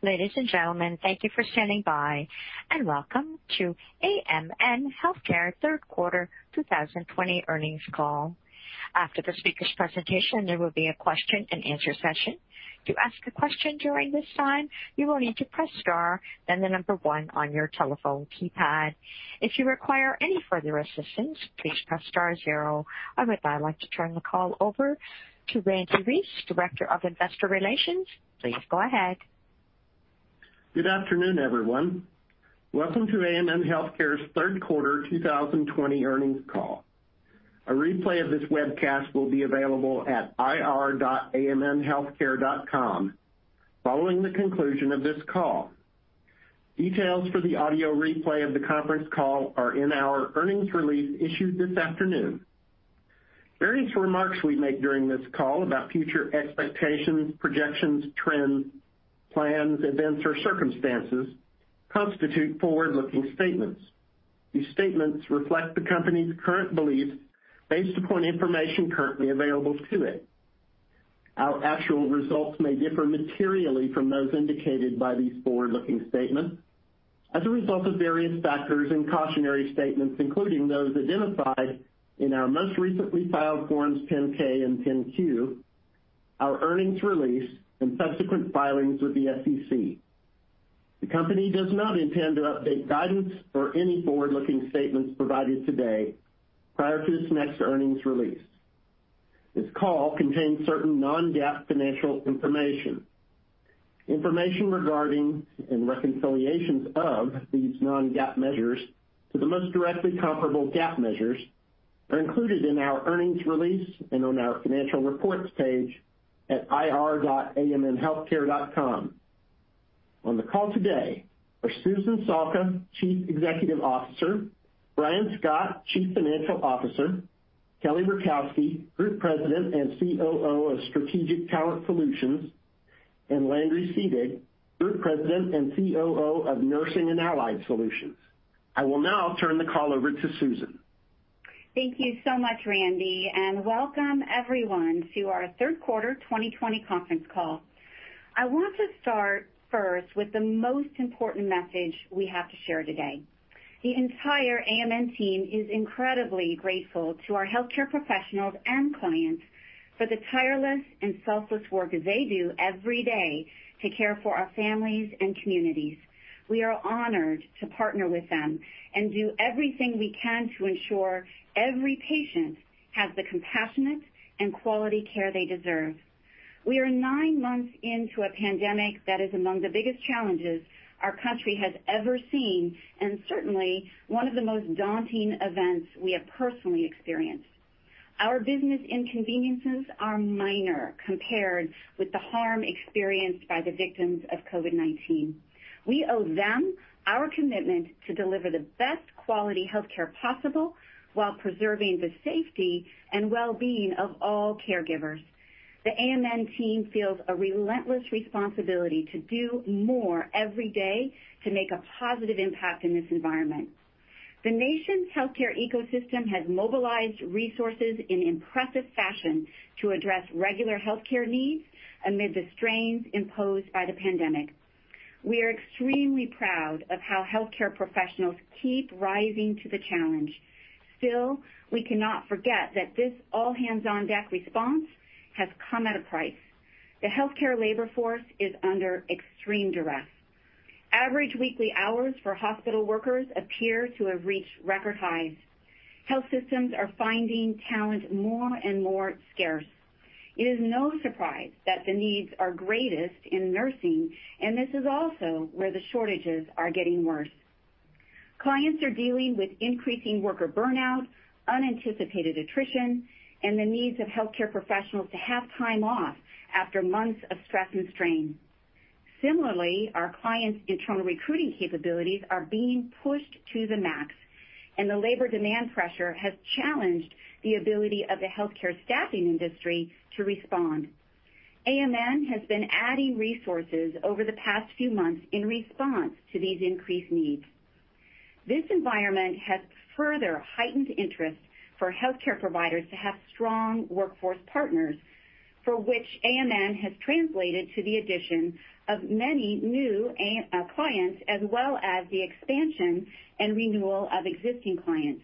Ladies and gentlemen, thank you for standing by and welcome to AMN Healthcare Third Quarter 2020 Earnings Call. After the speaker's presentation, there will be a question and answer session. To ask a question during this time, you will need to press star, then the number one on your telephone keypad. If you require any further assistance, please press star zero. I would now like to turn the call over to Randy Reece, Director of Investor Relations. Please go ahead. Good afternoon, everyone. Welcome to AMN Healthcare's third quarter 2020 Earnings Call. A replay of this webcast will be available at ir.amnhealthcare.com following the conclusion of this call. Details for the audio replay of the conference call are in our earnings release issued this afternoon. Various remarks we make during this call about future expectations, projections, trends, plans, events, or circumstances constitute forward-looking statements. These statements reflect the company's current beliefs based upon information currently available to it. Our actual results may differ materially from those indicated by these forward-looking statements as a result of various factors and cautionary statements, including those identified in our most recently filed Forms 10-K, and 10-Q, our earnings release and subsequent filings with the SEC. The company does not intend to update guidance or any forward-looking statements provided today prior to its next earnings release. This call contains certain non-GAAP financial information. Information regarding and reconciliations of these non-GAAP measures to the most directly comparable GAAP measures are included in our earnings release and on our financial reports page at ir.amnhealthcare.com. On the call today are Susan Salka, Chief Executive Officer, Brian Scott, Chief Financial Officer, Kelly Rukowski, Group President and COO of Strategic Talent Solutions, and Landry Seedig, Group President and COO of Nurse and Allied Solutions. I will now turn the call over to Susan. Thank you so much, Randy. Welcome, everyone to our third quarter 2020 conference call. I want to start first with the most important message we have to share today. The entire AMN team is incredibly grateful to our healthcare professionals and clients for the tireless and selfless work they do every day to care for our families and communities. We are honored to partner with them and do everything we can to ensure every patient has the compassionate and quality care they deserve. We are nine months into a pandemic that is among the biggest challenges our country has ever seen, and certainly one of the most daunting events we have personally experienced. Our business inconveniences are minor compared with the harm experienced by the victims of COVID-19. We owe them our commitment to deliver the best quality healthcare possible while preserving the safety and well-being of all caregivers. The AMN team feels a relentless responsibility to do more every day to make a positive impact in this environment. The nation's healthcare ecosystem has mobilized resources in impressive fashion to address regular healthcare needs amid the strains imposed by the pandemic. We are extremely proud of how healthcare professionals keep rising to the challenge. Still, we cannot forget that this all-hands-on-deck response has come at a price. The healthcare labor force is under extreme duress. Average weekly hours for hospital workers appear to have reached record highs. Health systems are finding talent more and more scarce. It is no surprise that the needs are greatest in nursing, and this is also where the shortages are getting worse. Clients are dealing with increasing worker burnout, unanticipated attrition, and the needs of healthcare professionals to have time off after months of stress and strain. Similarly, our clients' internal recruiting capabilities are being pushed to the max, and the labor demand pressure has challenged the ability of the healthcare staffing industry to respond. AMN has been adding resources over the past few months in response to these increased needs. This environment has further heightened interest for healthcare providers to have strong workforce partners, for which AMN has translated to the addition of many new clients, as well as the expansion and renewal of existing clients.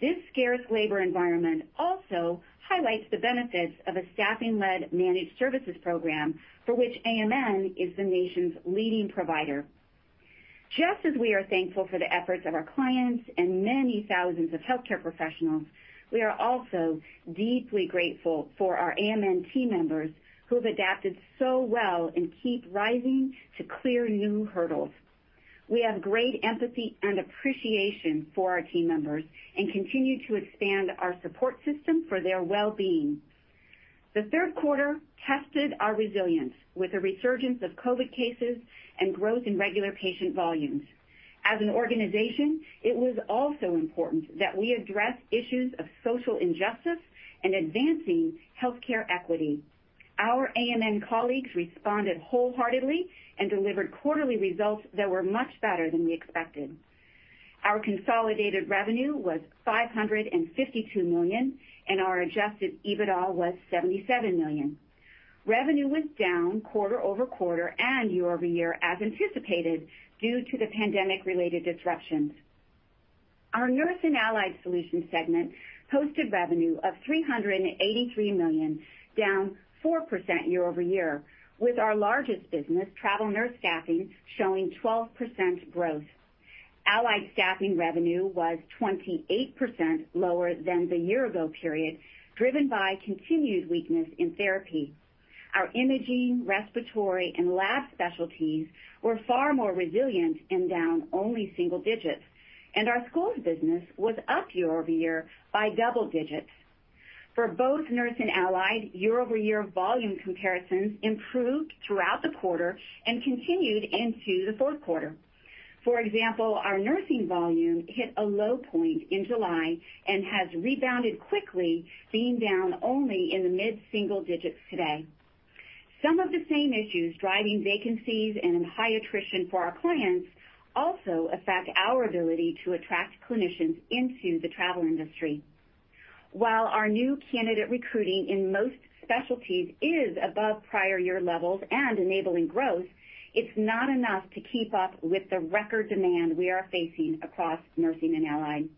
This scarce labor environment also highlights the benefits of a staffing-led managed services program, for which AMN is the nation's leading provider. Just as we are thankful for the efforts of our clients and many thousands of healthcare professionals, we are also deeply grateful for our AMN team members who have adapted so well and keep rising to clear new hurdles. We have great empathy and appreciation for our team members and continue to expand our support system for their well-being. The third quarter tested our resilience with a resurgence of COVID cases and growth in regular patient volumes. As an organization, it was also important that we address issues of social injustice and advancing healthcare equity. Our AMN colleagues responded wholeheartedly and delivered quarterly results that were much better than we expected. Our consolidated revenue was $552 million, and our adjusted EBITDA was $77 million. Revenue was down quarter-over-quarter and year-over-year as anticipated due to the pandemic-related disruptions. Our Nurse and Allied Solutions segment posted revenue of $383 million, down 4% year-over-year, with our largest business, travel nurse staffing, showing 12% growth. Allied staffing revenue was 28% lower than the year-ago period, driven by continued weakness in therapy. Our imaging, respiratory, and lab specialties were far more resilient and down only single digits, and our school's business was up year-over-year by double digits. For both Nurse and Allied, year-over-year volume comparisons improved throughout the quarter and continued into the fourth quarter. For example, our nursing volume hit a low point in July and has rebounded quickly, being down only in the mid-single digits today. Some of the same issues driving vacancies and high attrition for our clients also affect our ability to attract clinicians into the travel industry. While our new candidate recruiting in most specialties is above prior year levels and enabling growth, it's not enough to keep up with the record demand we are facing across Nursing and Allied.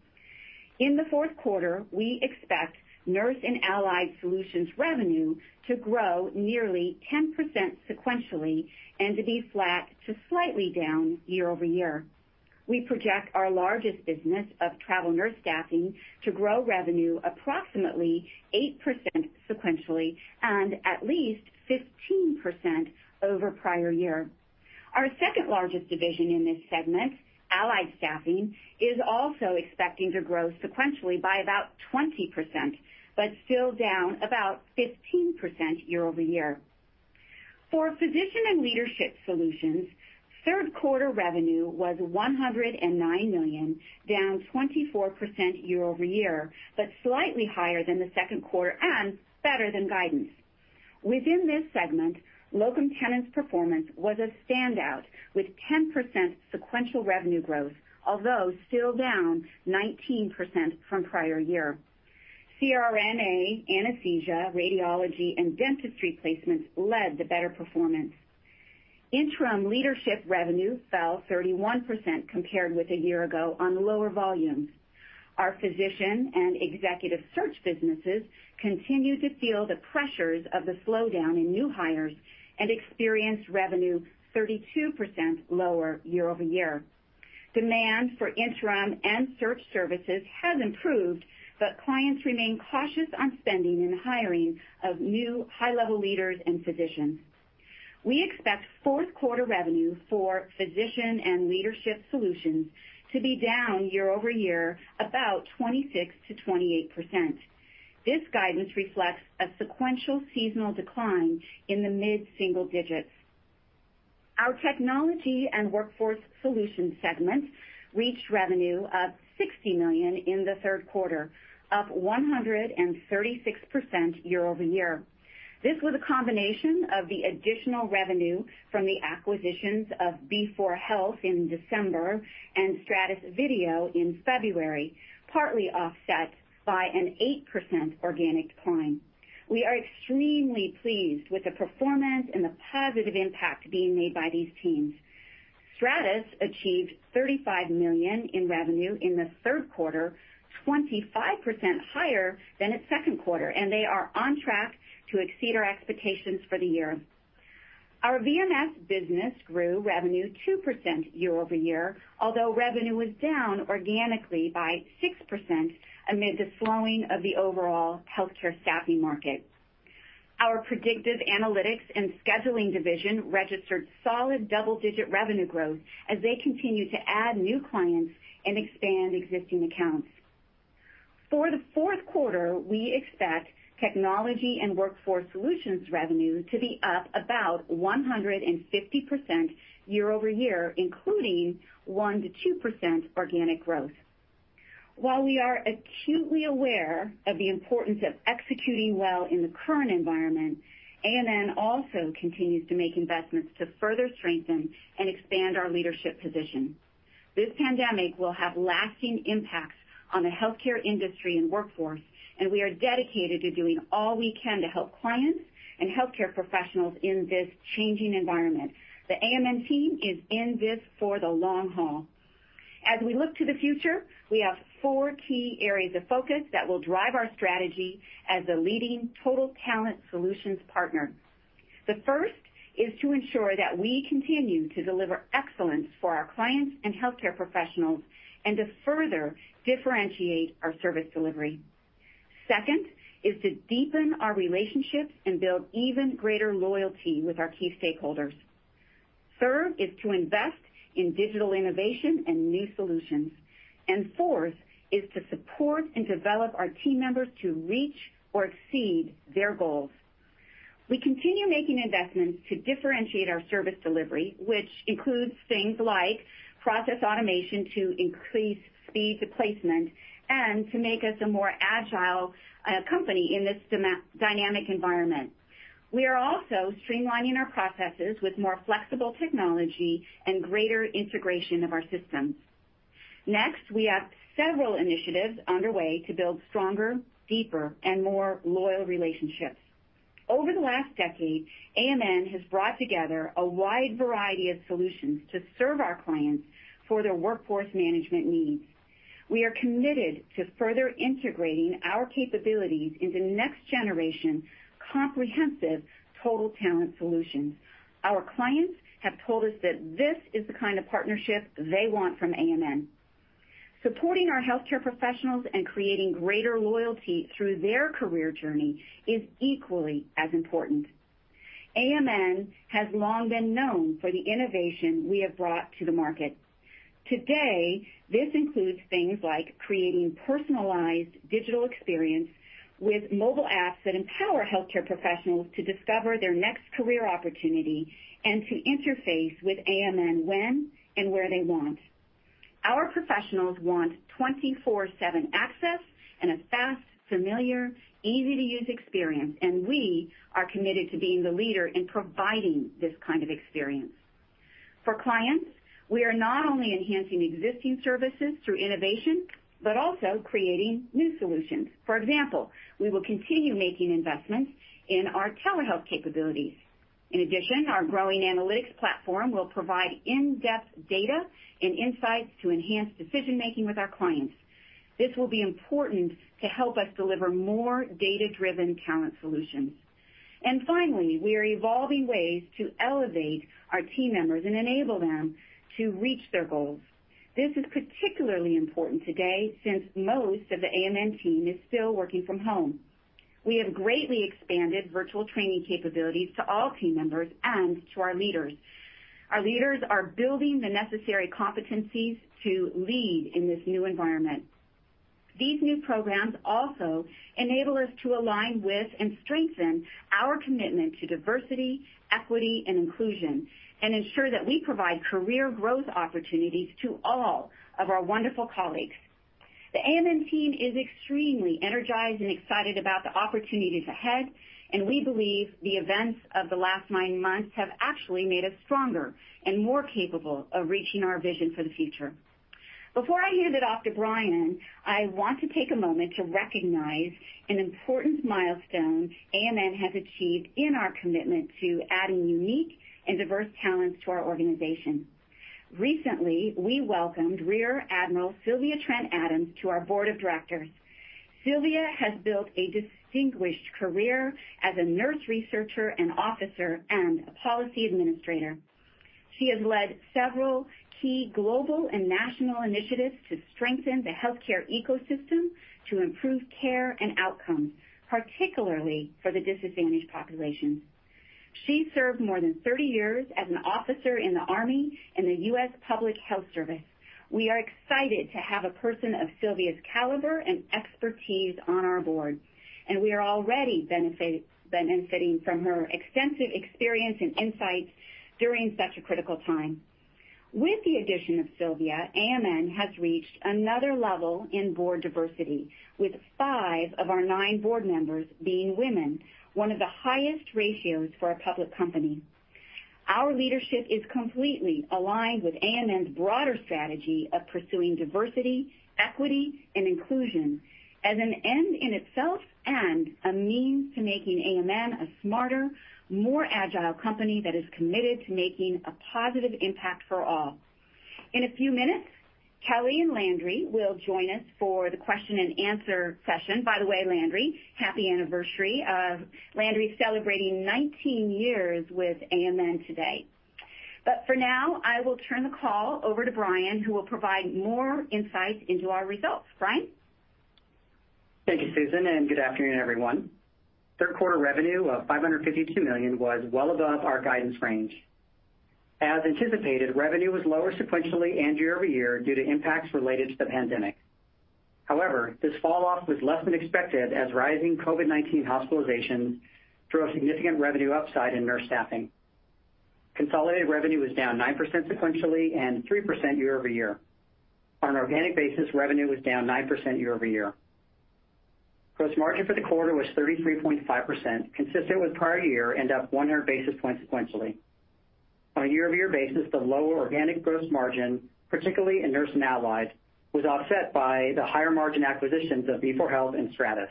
In the fourth quarter, we expect Nurse and Allied Solutions revenue to grow nearly 10% sequentially and to be flat to slightly down year-over-year. We project our largest business of travel nurse staffing to grow revenue approximately 8% sequentially and at least 15% over prior year. Our second-largest division in this segment, Allied Staffing, is also expecting to grow sequentially by about 20%, but still down about 15% year-over-year. For Physician and Leadership Solutions, third quarter revenue was $109 million, down 24% year-over-year, but slightly higher than the second quarter and better than guidance. Within this segment, Locum Tenens performance was a standout with 10% sequential revenue growth, although still down 19% from prior year. CRNA, anesthesia, radiology, and dentistry placements led to better performance. Interim leadership revenue fell 31% compared with a year ago on lower volumes. Our physician and executive search businesses continue to feel the pressures of the slowdown in new hires and experienced revenue 32% lower year-over-year. Clients remain cautious on spending and hiring of new high-level leaders and physicians. We expect fourth quarter revenue for Physician and Leadership Solutions to be down year-over-year about 26%-28%. This guidance reflects a sequential seasonal decline in the mid-single digits. Our Technology and Workforce Solutions segment reached revenue of $60 million in the third quarter, up 136% year-over-year. This was a combination of the additional revenue from the acquisitions of B4Health in December and Stratus Video in February, partly offset by an 8% organic decline. We are extremely pleased with the performance and the positive impact being made by these teams. Stratus achieved $35 million in revenue in the third quarter, 25% higher than its second quarter, and they are on track to exceed our expectations for the year. Our VMS business grew revenue 2% year-over-year, although revenue was down organically by 6% amid the slowing of the overall healthcare staffing market. Our predictive analytics and scheduling division registered solid double-digit revenue growth as they continue to add new clients and expand existing accounts. For the fourth quarter, we expect Technology and Workforce Solutions revenue to be up about 150% year-over-year, including 1%-2% organic growth. While we are acutely aware of the importance of executing well in the current environment, AMN also continues to make investments to further strengthen and expand our leadership position. This pandemic will have lasting impacts on the healthcare industry and workforce, and we are dedicated to doing all we can to help clients and healthcare professionals in this changing environment. The AMN team is in this for the long haul. As we look to the future, we have four key areas of focus that will drive our strategy as a leading total talent solutions partner. The first is to ensure that we continue to deliver excellence for our clients and healthcare professionals and to further differentiate our service delivery. Second is to deepen our relationships and build even greater loyalty with our key stakeholders. Third is to invest in digital innovation and new solutions. Fourth is to support and develop our team members to reach or exceed their goals. We continue making investments to differentiate our service delivery, which includes things like process automation to increase speed to placement and to make us a more agile company in this dynamic environment. We are also streamlining our processes with more flexible technology and greater integration of our systems. Next, we have several initiatives underway to build stronger, deeper, and more loyal relationships. Over the last decade, AMN has brought together a wide variety of solutions to serve our clients for their workforce management needs. We are committed to further integrating our capabilities into next-generation comprehensive total talent solutions. Our clients have told us that this is the kind of partnership they want from AMN. Supporting our healthcare professionals and creating greater loyalty through their career journey is equally as important. AMN has long been known for the innovation we have brought to the market. Today, this includes things like creating personalized digital experience with mobile apps that empower healthcare professionals to discover their next career opportunity and to interface with AMN when and where they want. Our professionals want 24/7 access and a fast, familiar, easy-to-use experience, and we are committed to being the leader in providing this kind of experience. For clients, we are not only enhancing existing services through innovation, but also creating new solutions. For example, we will continue making investments in our telehealth capabilities. In addition, our growing analytics platform will provide in-depth data and insights to enhance decision-making with our clients. This will be important to help us deliver more data-driven talent solutions. Finally, we are evolving ways to elevate our team members and enable them to reach their goals. This is particularly important today since most of the AMN team is still working from home. We have greatly expanded virtual training capabilities to all team members and to our leaders. Our leaders are building the necessary competencies to lead in this new environment. These new programs also enable us to align with and strengthen our commitment to diversity, equity, and inclusion, and ensure that we provide career growth opportunities to all of our wonderful colleagues. The AMN team is extremely energized and excited about the opportunities ahead. We believe the events of the last nine months have actually made us stronger and more capable of reaching our vision for the future. Before I hand it off to Brian, I want to take a moment to recognize an important milestone AMN has achieved in our commitment to adding unique and diverse talents to our organization. Recently, we welcomed Rear Admiral Sylvia Trent-Adams to our Board of Directors. Sylvia has built a distinguished career as a nurse researcher, an officer, and a policy administrator. She has led several key global and national initiatives to strengthen the healthcare ecosystem to improve care and outcomes, particularly for the disadvantaged populations. She served more than 30 years as an officer in the Army and the U.S. Public Health Service. We are excited to have a person of Sylvia's caliber and expertise on our board, and we are already benefiting from her extensive experience and insights during such a critical time. With the addition of Sylvia, AMN has reached another level in board diversity, with five of our nine board members being women, one of the highest ratios for a public company. Our leadership is completely aligned with AMN's broader strategy of pursuing diversity, equity, and inclusion as an end in itself and a means to making AMN a smarter, more agile company that is committed to making a positive impact for all. In a few minutes, Kelly and Landry will join us for the question-and-answer session. By the way, Landry, happy anniversary. Landry's celebrating 19 years with AMN today. For now, I will turn the call over to Brian, who will provide more insights into our results. Brian? Thank you, Susan, and good afternoon, everyone. Third quarter revenue of $552 million was well above our guidance range. As anticipated, revenue was lower sequentially and year-over-year due to impacts related to the pandemic. However, this falloff was less than expected as rising COVID-19 hospitalizations drove significant revenue upside in nurse staffing. Consolidated revenue was down 9% sequentially and 3% year-over-year. On an organic basis, revenue was down 9% year-over-year. Gross margin for the quarter was 33.5%, consistent with prior year and up 100 basis points sequentially. On a year-over-year basis, the lower organic gross margin, particularly in Nurse & Allied, was offset by the higher margin acquisitions of B4Health and Stratus.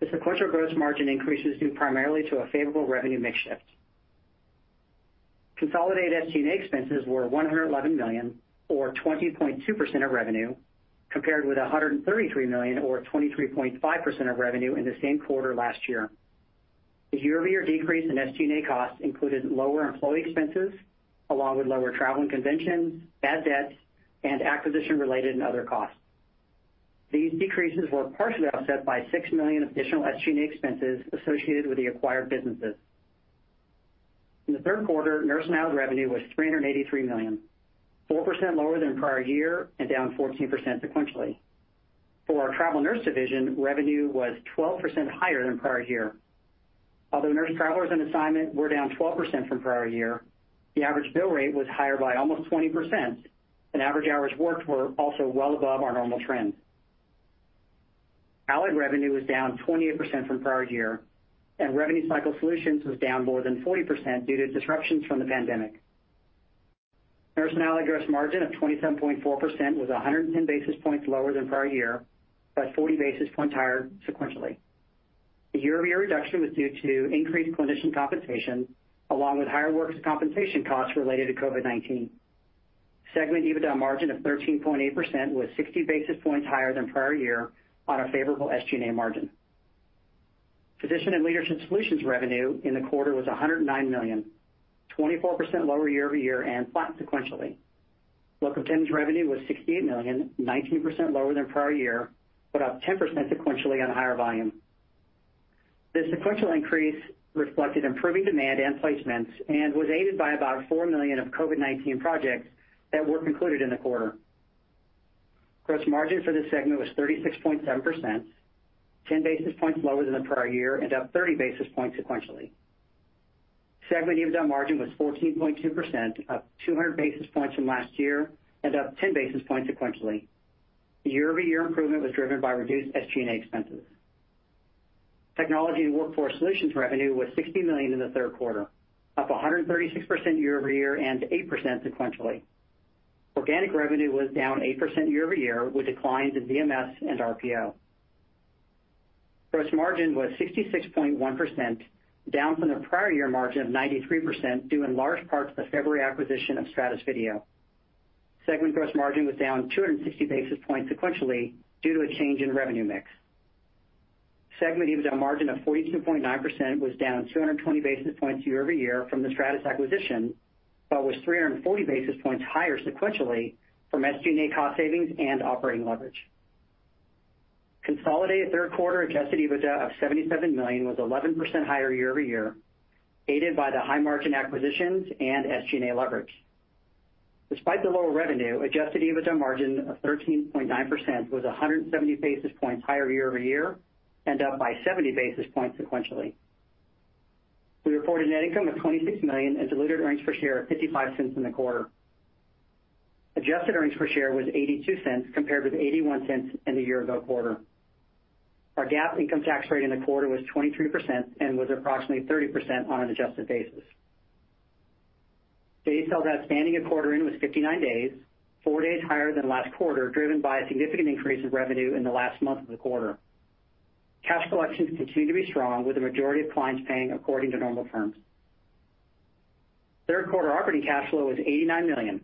The sequential gross margin increase is due primarily to a favorable revenue mix shift. Consolidated SG&A expenses were $111 million, or 20.2% of revenue, compared with $133 million, or 23.5% of revenue in the same quarter last year. The year-over-year decrease in SG&A costs included lower employee expenses, along with lower travel and convention, bad debts, and acquisition-related and other costs. These decreases were partially offset by $6 million of additional SG&A expenses associated with the acquired businesses. In the third quarter, Nurse & Allied revenue was $383 million, 4% lower than prior year and down 14% sequentially. For our Travel Nurse division, revenue was 12% higher than prior year. Although nurse travelers on assignment were down 12% from prior year, the average bill rate was higher by almost 20%, and average hours worked were also well above our normal trend. Allied revenue was down 28% from prior year, and revenue cycle solutions was down more than 40% due to disruptions from the pandemic. Nurse and Allied gross margin of 27.4% was 110 basis points lower than prior year, but 40 basis points higher sequentially. The year-over-year reduction was due to increased clinician compensation, along with higher workers' compensation costs related to COVID-19. Segment EBITDA margin of 13.8% was 60 basis points higher than prior year on a favorable SG&A margin. Physician and Leadership Solutions revenue in the quarter was $109 million, 24% lower year-over-year and flat sequentially. Locum Tenens revenue was $68 million, 19% lower than prior year, but up 10% sequentially on higher volume. The sequential increase reflected improving demand and placements and was aided by about $4 million of COVID-19 projects that were concluded in the quarter. Gross margin for this segment was 36.7%, 10 basis points lower than the prior year and up 30 basis points sequentially. Segment EBITDA margin was 14.2%, up 200 basis points from last year and up 10 basis points sequentially. The year-over-year improvement was driven by reduced SG&A expenses. Technology and Workforce Solutions revenue was $60 million in the third quarter, up 136% year-over-year and 8% sequentially. Organic revenue was down 8% year-over-year, with declines in VMS and RPO. Gross margin was 66.1%, down from the prior year margin of 93%, due in large part to the February acquisition of Stratus Video. Segment gross margin was down 260 basis points sequentially due to a change in revenue mix. Segment EBITDA margin of 42.9% was down 220 basis points year-over-year from the Stratus acquisition, but was 340 basis points higher sequentially from SG&A cost savings and operating leverage. Consolidated third quarter adjusted EBITDA of $77 million was 11% higher year-over-year, aided by the high margin acquisitions and SG&A leverage. Despite the lower revenue, adjusted EBITDA margin of 13.9% was 170 basis points higher year-over-year and up by 70 basis points sequentially. We reported net income of $26 million and diluted earnings per share of $0.55 in the quarter. Adjusted earnings per share was $0.82, compared with $0.81 in the year-ago quarter. Our GAAP income tax rate in the quarter was 23% and was approximately 30% on an adjusted basis. Days sales outstanding a quarter in was 59 days, four days higher than last quarter, driven by a significant increase of revenue in the last month of the quarter. Cash collections continue to be strong, with the majority of clients paying according to normal terms. Third quarter operating cash flow was $89 million,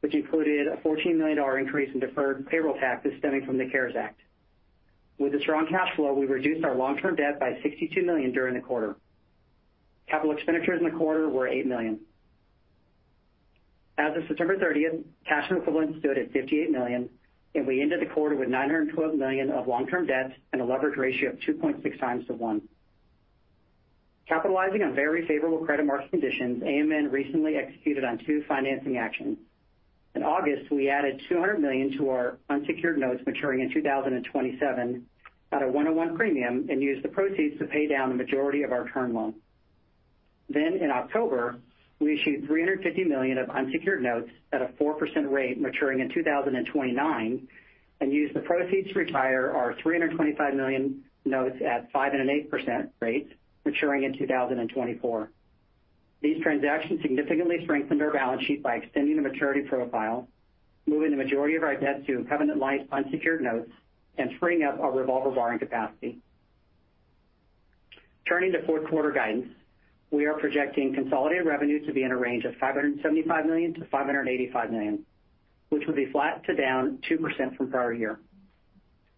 which included a $14 million increase in deferred payroll taxes stemming from the CARES Act. With the strong cash flow, we reduced our long-term debt by $62 million during the quarter. Capital expenditures in the quarter were $8 million. As of September 30th, cash and equivalents stood at $58 million, and we ended the quarter with $912 million of long-term debt and a leverage ratio of 2.6 times to one. Capitalizing on very favorable credit market conditions, AMN recently executed on two financing actions. In August, we added $200 million to our unsecured notes maturing in 2027 at a 101 premium and used the proceeds to pay down the majority of our term loan. In October, we issued $350 million of unsecured notes at a 4% rate maturing in 2029 and used the proceeds to retire our $325 million notes at f and an 8% rate maturing in 2024. These transactions significantly strengthened our balance sheet by extending the maturity profile, moving the majority of our debt to covenant light unsecured notes, and freeing up our revolver borrowing capacity. Turning to fourth quarter guidance, we are projecting consolidated revenue to be in a range of $575 million-$585 million, which will be flat to down 2% from prior year.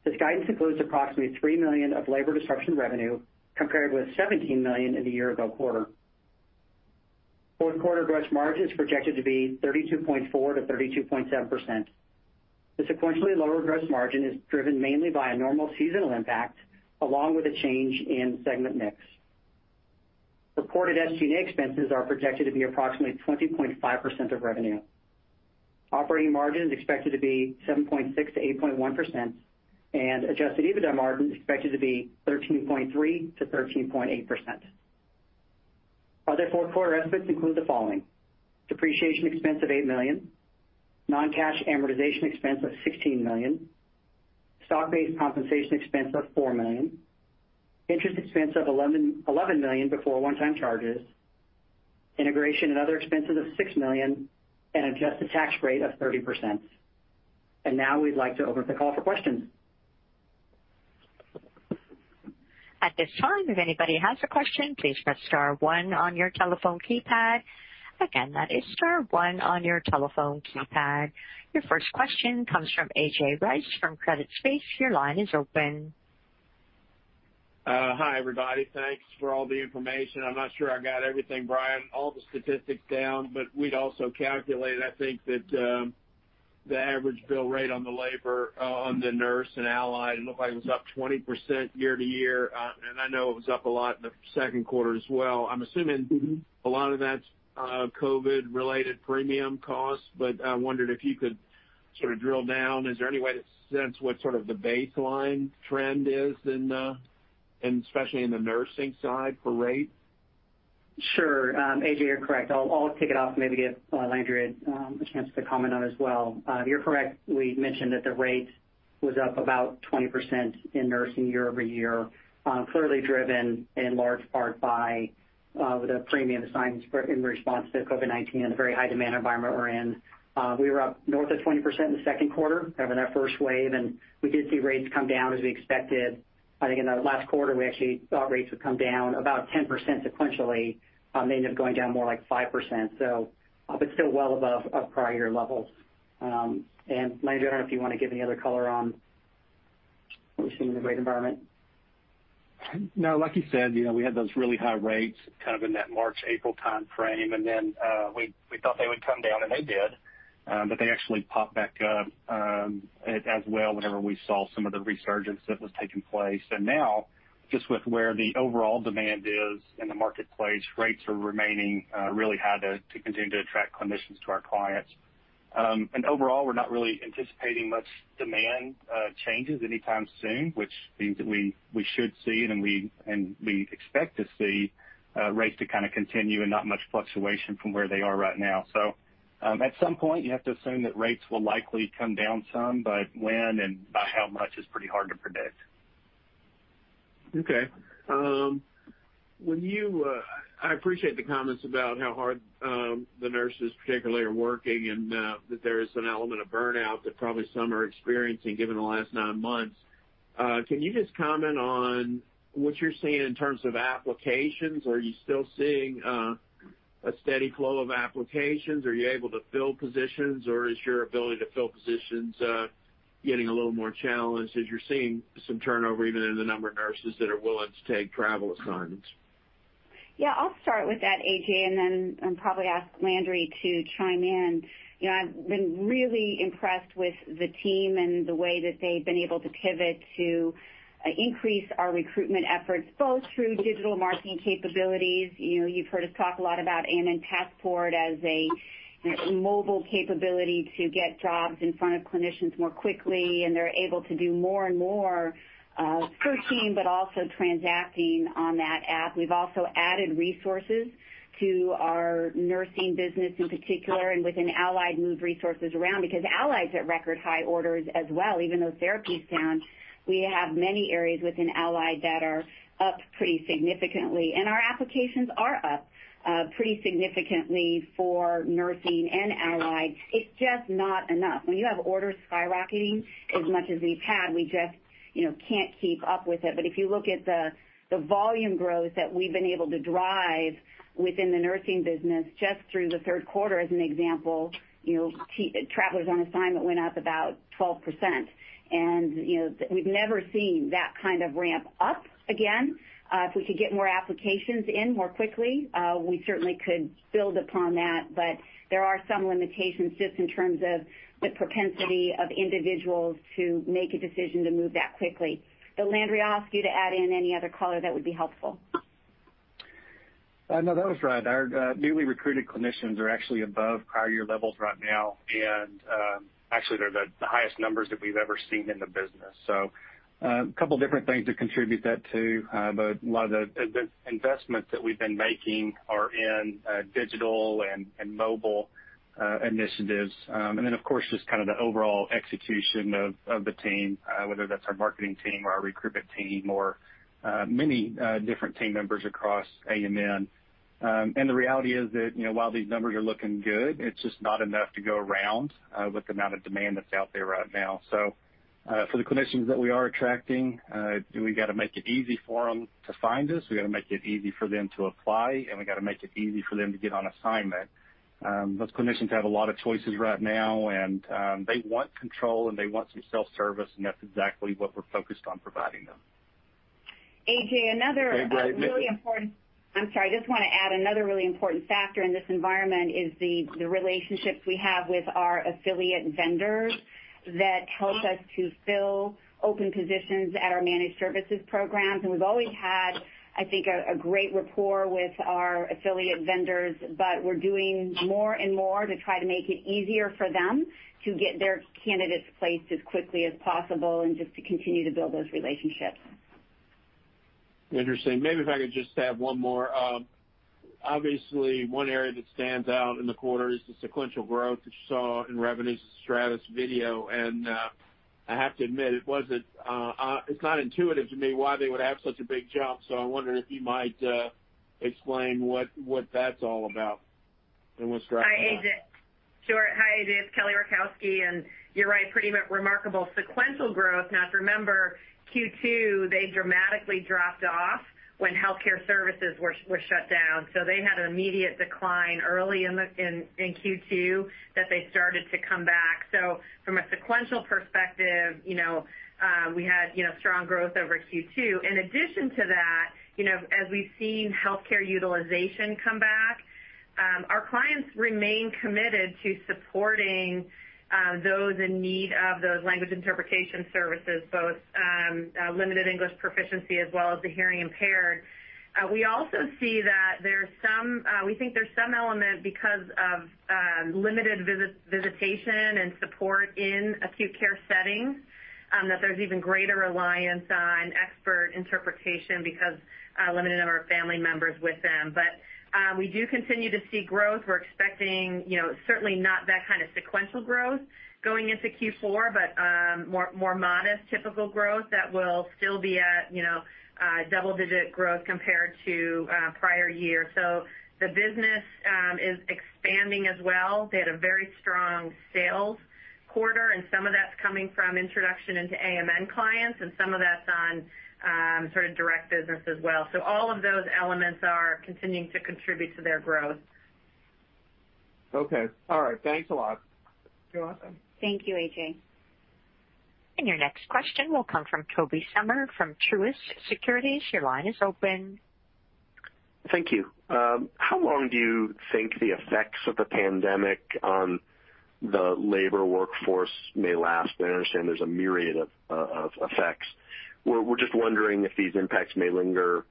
This guidance includes approximately $3 million of labor disruption revenue compared with $17 million in the year-ago quarter. Fourth quarter gross margin is projected to be 32.4%-32.7%. The sequentially lower gross margin is driven mainly by a normal seasonal impact along with a change in segment mix. Reported SG&A expenses are projected to be approximately 20.5% of revenue. Operating margin is expected to be 7.6%-8.1%, and adjusted EBITDA margin is expected to be 13.3%-13.8%. Other fourth quarter estimates include the following: depreciation expense of $8 million, non-cash amortization expense of $16 million, stock-based compensation expense of $4 million, interest expense of $11 million before one-time charges, integration and other expenses of $6 million, and adjusted tax rate of 30%. Now we'd like to open the call for questions. At this time, if anybody has a question, please press star one on your telephone keypad. Again, that is star one on your telephone keypad. Your first question comes from A.J. Rice from Credit Suisse. Your line is open. Hi, everybody. Thanks for all the information. I'm not sure I got everything, Brian, all the statistics down, but we'd also calculated, I think that, the average bill rate on the labor on the Nurse and Allied, it looked like it was up 20% year-to-year. I know it was up a lot in the second quarter as well. I'm assuming. A lot of that's COVID-related premium costs, but I wondered if you could sort of drill down. Is there any way to sense what sort of the baseline trend is in, especially in the nursing side for rate? Sure. A.J., you're correct. I'll kick it off and maybe give Landry a chance to comment on as well. You're correct. We mentioned that the rate was up about 20% in nursing year-over-year, clearly driven in large part by the premium assignments in response to COVID-19 and the very high demand environment we're in. We were up north of 20% in the second quarter over that first wave, and we did see rates come down as we expected. I think in the last quarter, we actually thought rates would come down about 10% sequentially, may end up going down more like 5%, but still well above our prior year levels. Landry, I don't know if you want to give any other color on what we've seen in the rate environment. Like you said, we had those really high rates kind of in that March, April timeframe. We thought they would come down, they did. They actually popped back up as well whenever we saw some of the resurgence that was taking place. Now, just with where the overall demand is in the marketplace, rates are remaining really high to continue to attract clinicians to our clients. Overall, we're not really anticipating much demand changes anytime soon, which means that we should see, and we expect to see rates to kind of continue and not much fluctuation from where they are right now. At some point, you have to assume that rates will likely come down some. When and by how much is pretty hard to predict. Okay. I appreciate the comments about how hard the nurses particularly are working and that there is an element of burnout that probably some are experiencing given the last nine months. Can you just comment on what you're seeing in terms of applications? Are you still seeing a steady flow of applications? Are you able to fill positions, or is your ability to fill positions getting a little more challenged as you're seeing some turnover even in the number of nurses that are willing to take travel assignments? Yeah, I'll start with that, A.J., and then probably ask Landry to chime in. I've been really impressed with the team and the way that they've been able to pivot to increase our recruitment efforts, both through digital marketing capabilities. You've heard us talk a lot about AMN Passport as a mobile capability to get jobs in front of clinicians more quickly, and they're able to do more and more searching, but also transacting on that app. We've also added resources to our nursing business in particular, and within allied move resources around because allied's at record high orders as well, even though therapy's down, we have many areas within allied that are up pretty significantly, and our applications are up pretty significantly for nursing and allied. It's just not enough. When you have orders skyrocketing as much as we've had, we just can't keep up with it. If you look at the volume growth that we've been able to drive within the nursing business, just through the third quarter as an example, travelers on assignment went up about 12%. We've never seen that kind of ramp-up again. If we could get more applications in more quickly, we certainly could build upon that, but there are some limitations just in terms of the propensity of individuals to make a decision to move that quickly. Landry, I'll ask you to add in any other color that would be helpful. No, that was right. Our newly recruited clinicians are actually above prior year levels right now, and actually, they're the highest numbers that we've ever seen in the business. A couple of different things that contribute that too, but a lot of the investments that we've been making are in digital and mobile initiatives. Then, of course, just kind of the overall execution of the team, whether that's our marketing team or our recruitment team or many different team members across AMN. The reality is that while these numbers are looking good, it's just not enough to go around with the amount of demand that's out there right now. For the clinicians that we are attracting, we got to make it easy for them to find us, we got to make it easy for them to apply, and we got to make it easy for them to get on assignment. Those clinicians have a lot of choices right now, and they want control, and they want some self-service, and that's exactly what we're focused on providing them. A.J. I'm sorry. I just want to add another really important factor in this environment is the relationships we have with our affiliate vendors that help us to fill open positions at our managed services programs. We've always had, I think, a great rapport with our affiliate vendors, but we're doing more and more to try to make it easier for them to get their candidates placed as quickly as possible and just to continue to build those relationships. Interesting. Maybe if I could just have one more. Obviously, one area that stands out in the quarter is the sequential growth that you saw in revenues at Stratus Video. I have to admit, it's not intuitive to me why they would have such a big jump. I wonder if I might explain what that's all about and what's driving that. Sure. Hi, AJ. It's Kelly Rakowski. You're right, pretty remarkable sequential growth. If you remember Q2, they dramatically dropped off when healthcare services were shut down. They had an immediate decline early in Q2 that they started to come back. From a sequential perspective, we had strong growth over Q2. In addition to that, as we've seen, healthcare utilization come back. Our clients remain committed to supporting those in need of those language interpretation services, both limited English proficiency as well as the hearing-impaired. We also see that we think there's some element because of limited visitation and support in acute care settings, that there's even greater reliance on expert interpretation because a limited number of family members with them. We do continue to see growth. We're expecting certainly not that kind of sequential growth going into Q4, but more modest, typical growth that will still be at double-digit growth compared to prior year. The business is expanding as well. They had a very strong sales quarter; some of that's coming from introduction into AMN clients, and some of that's on sort of direct business as well. All of those elements are continuing to contribute to their growth. Okay. All right. Thanks a lot. You're welcome. Thank you, A.J. Your next question will come from Tobey Sommer from Truist Securities. Your line is open. Thank you. How long do you think the effects of the pandemic on the labor workforce may last? I understand there's a myriad of effects. We're just wondering if these impacts may linger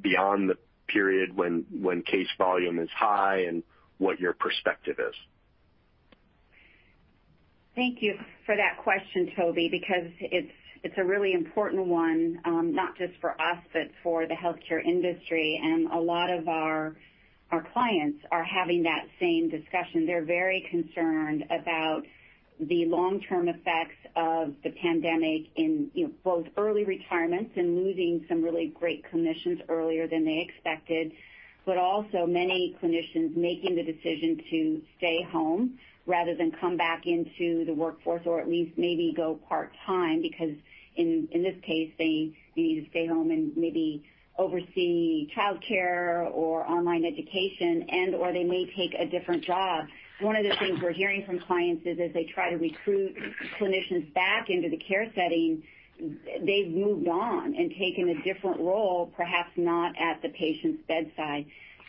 beyond the period when case volume is high and what your perspective is. Thank you for that question, Tobey, because it's a really important one, not just for us, but for the healthcare industry. A lot of our clients are having that same discussion. They're very concerned about the long-term effects of the pandemic in both early retirements and losing some really great clinicians earlier than they expected. Also, many clinicians making the decision to stay home rather than come back into the workforce, or at least maybe go part-time, because in this case, they need to stay home and maybe oversee childcare or online education, and/or they may take a different job. One of the things we're hearing from clients is as they try to recruit clinicians back into the care setting, they've moved on and taken a different role, perhaps not at the patient's bedside.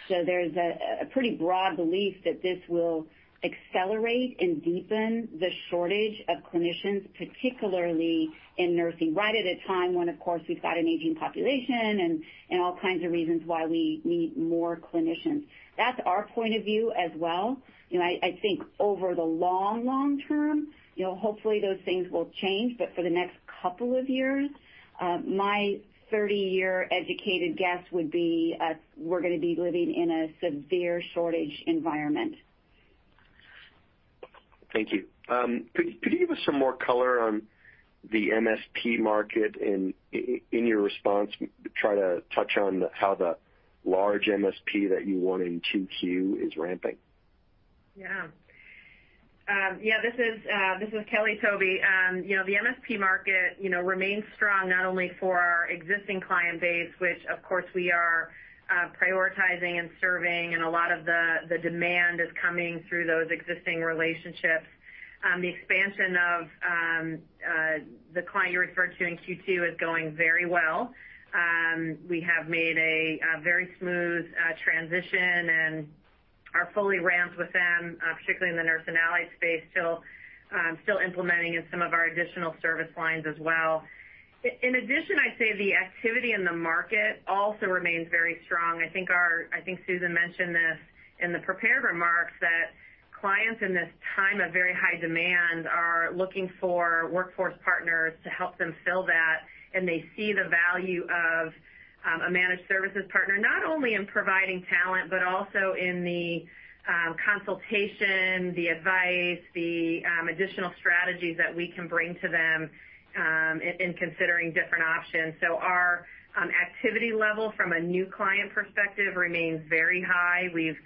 There's a pretty broad belief that this will accelerate and deepen the shortage of clinicians, particularly in nursing, right at a time when, of course, we've got an aging population and all kinds of reasons why we need more clinicians. That's our point of view as well. I think over the long, long term, hopefully those things will change. For the next couple of years, my 30-year educated guess would be, we're going to be living in a severe shortage environment. Thank you. Could you give us some more color on the MSP market? In your response, try to touch on how the large MSP that you won in 2Q is ramping. Yeah. This is Kelly, Tobey. The MSP market remains strong not only for our existing client base, which of course we are prioritizing and serving, and a lot of the demand is coming through those existing relationships. The expansion of the client you referred to in Q2 is going very well. We have made a very smooth transition and are fully ramped with them, particularly in the nurse and ally space, still implementing in some of our additional service lines as well. In addition, I say the activity in the market also remains very strong. I think Susan mentioned this in the prepared remarks, that clients in this time of very high demand are looking for workforce partners to help them fill that, and they see the value of a managed services partner, not only in providing talent, but also in the consultation, the advice, the additional strategies that we can bring to them in considering different options. Our activity level from a new client perspective remains very high. We've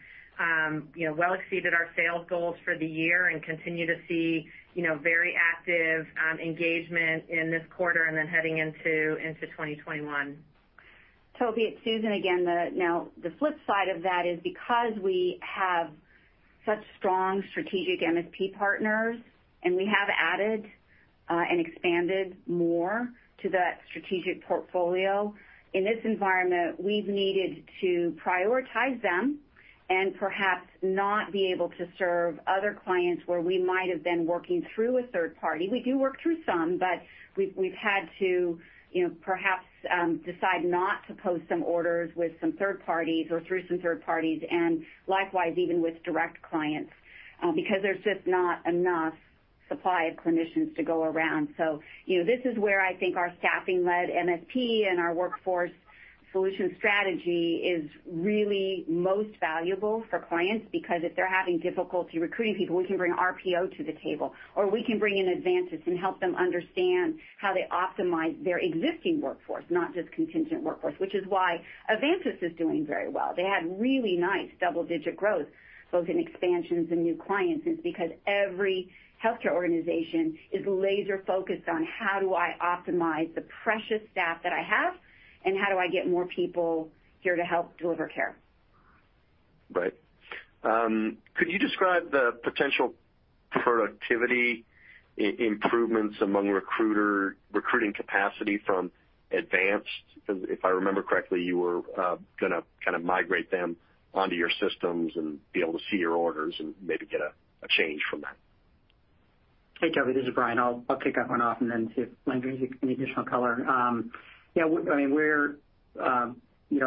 well exceeded our sales goals for the year and continue to see very active engagement in this quarter and then heading into 2021. Tobey, it's Susan again. The flip side of that is because we have such strong strategic MSP partners, and we have added and expanded more to that strategic portfolio. In this environment, we've needed to prioritize them and perhaps not be able to serve other clients where we might have been working through a third party. We do work through some, but we've had to perhaps decide not to post some orders with some third parties or through some third parties, and likewise, even with direct clients because there's just not enough supply of clinicians to go around. This is where I think our staffing-led MSP and our workforce solutions strategy is really most valuable for clients because if they're having difficulty recruiting people, we can bring RPO to the table, or we can bring in Advantis and help them understand how to optimize their existing workforce, not just contingent workforce. Which is why Advantis is doing very well. They had really nice double-digit growth, both in expansions and new clients, is because every healthcare organization is laser-focused on how do I optimize the precious staff that I have, and how do I get more people here to help deliver care. Right. Could you describe the potential productivity improvements among recruiting capacity from Advanced? If I remember correctly, you were going to migrate them onto your systems and be able to see your orders and maybe get a change from that. Hey, Tobey, this is Brian. I'll kick that one off and then see if Landry has any additional color. We're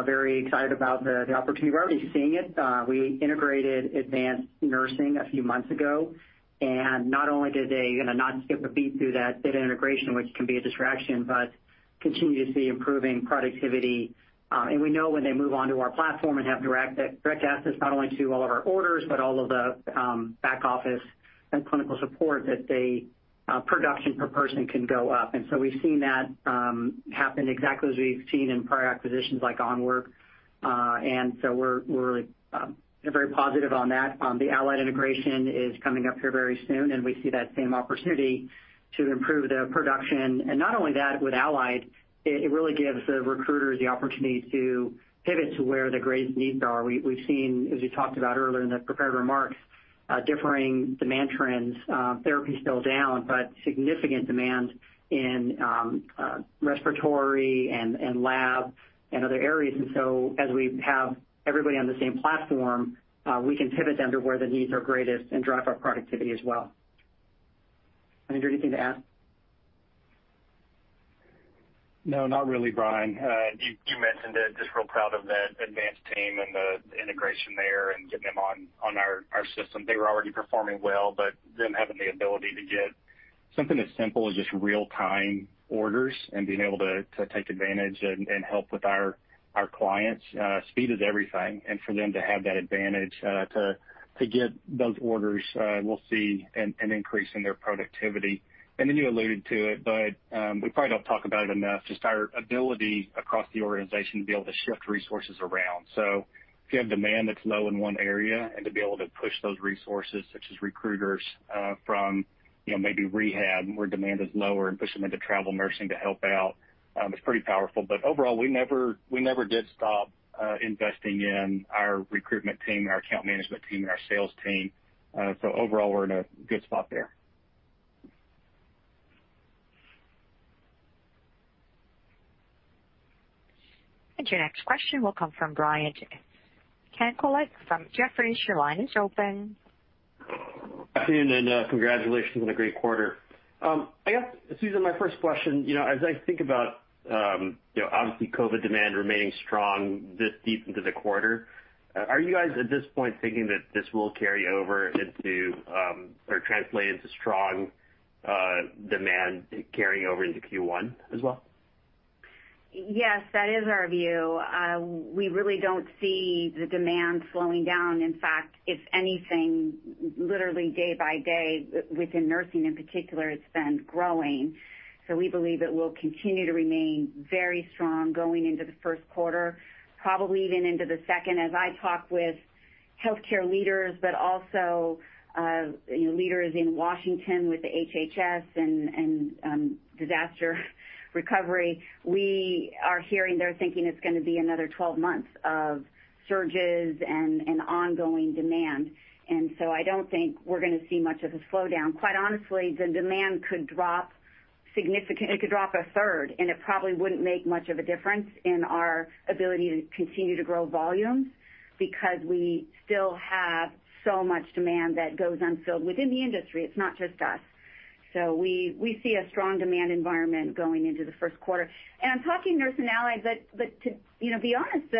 very excited about the opportunity. We're already seeing it. We integrated Advanced Medical a few months ago, not only did they not skip a beat through that bit of integration, which can be a distraction, but continue to see improving productivity. We know when they move onto our platform and have direct access, not only to all of our orders, but all of the back office and clinical support, that production per person can go up. We've seen that happen exactly as we've seen in prior acquisitions like Onward Healthcare. We're very positive on that. The Allied integration is coming up here very soon, we see that same opportunity to improve the production. Not only that, with Allied, it really gives the recruiters the opportunity to pivot to where the greatest needs are. We've seen, as you talked about earlier in the prepared remarks, differing demand trends. Therapy is still down, significant demand in respiratory and lab and other areas. As we have everybody on the same platform, we can pivot them to where the needs are greatest and drive our productivity as well. Landry, anything to add? No, not really, Brian. You mentioned it. Real proud of that Advanced team and the integration there and getting them on our system. They were already performing well, but them having the ability to get something as simple as just real-time orders and being able to take advantage and help with our clients. Speed is everything, and for them to have that advantage to get those orders, we'll see an increase in their productivity. You alluded to it, but we probably don't talk about it enough, just our ability across the organization to be able to shift resources around. If you have demand that's low in one area and to be able to push those resources, such as recruiters from maybe rehab where demand is lower and push them into travel nursing to help out is pretty powerful. Overall, we never did stop investing in our recruitment team, our account management team, and our sales team. Overall, we're in a good spot there. Your next question will come from Brian Tanquilut from Jefferies. Your line is open. Afternoon, congratulations on a great quarter. I guess, Susan, my first question, as I think about obviously COVID demand remaining strong this deep into the quarter, are you guys at this point thinking that this will carry over into or translate into strong demand carrying over into Q1 as well? Yes, that is our view. We really don't see the demand slowing down. In fact, if anything, literally day by day, within nursing in particular, it's been growing. We believe it will continue to remain very strong going into the first quarter, probably even into the second. As I talk with healthcare leaders, but also leaders in Washington with the HHS and disaster recovery, we are hearing they're thinking it's going to be another 12 months of surges and ongoing demand. I don't think we're going to see much of a slowdown. Quite honestly, the demand could drop significantly, it could drop a third, and it probably wouldn't make much of a difference in our ability to continue to grow volumes because we still have so much demand that goes unfilled within the industry. It's not just us. We see a strong demand environment going into the first quarter. I'm talking Nurse and Allied, but to be honest,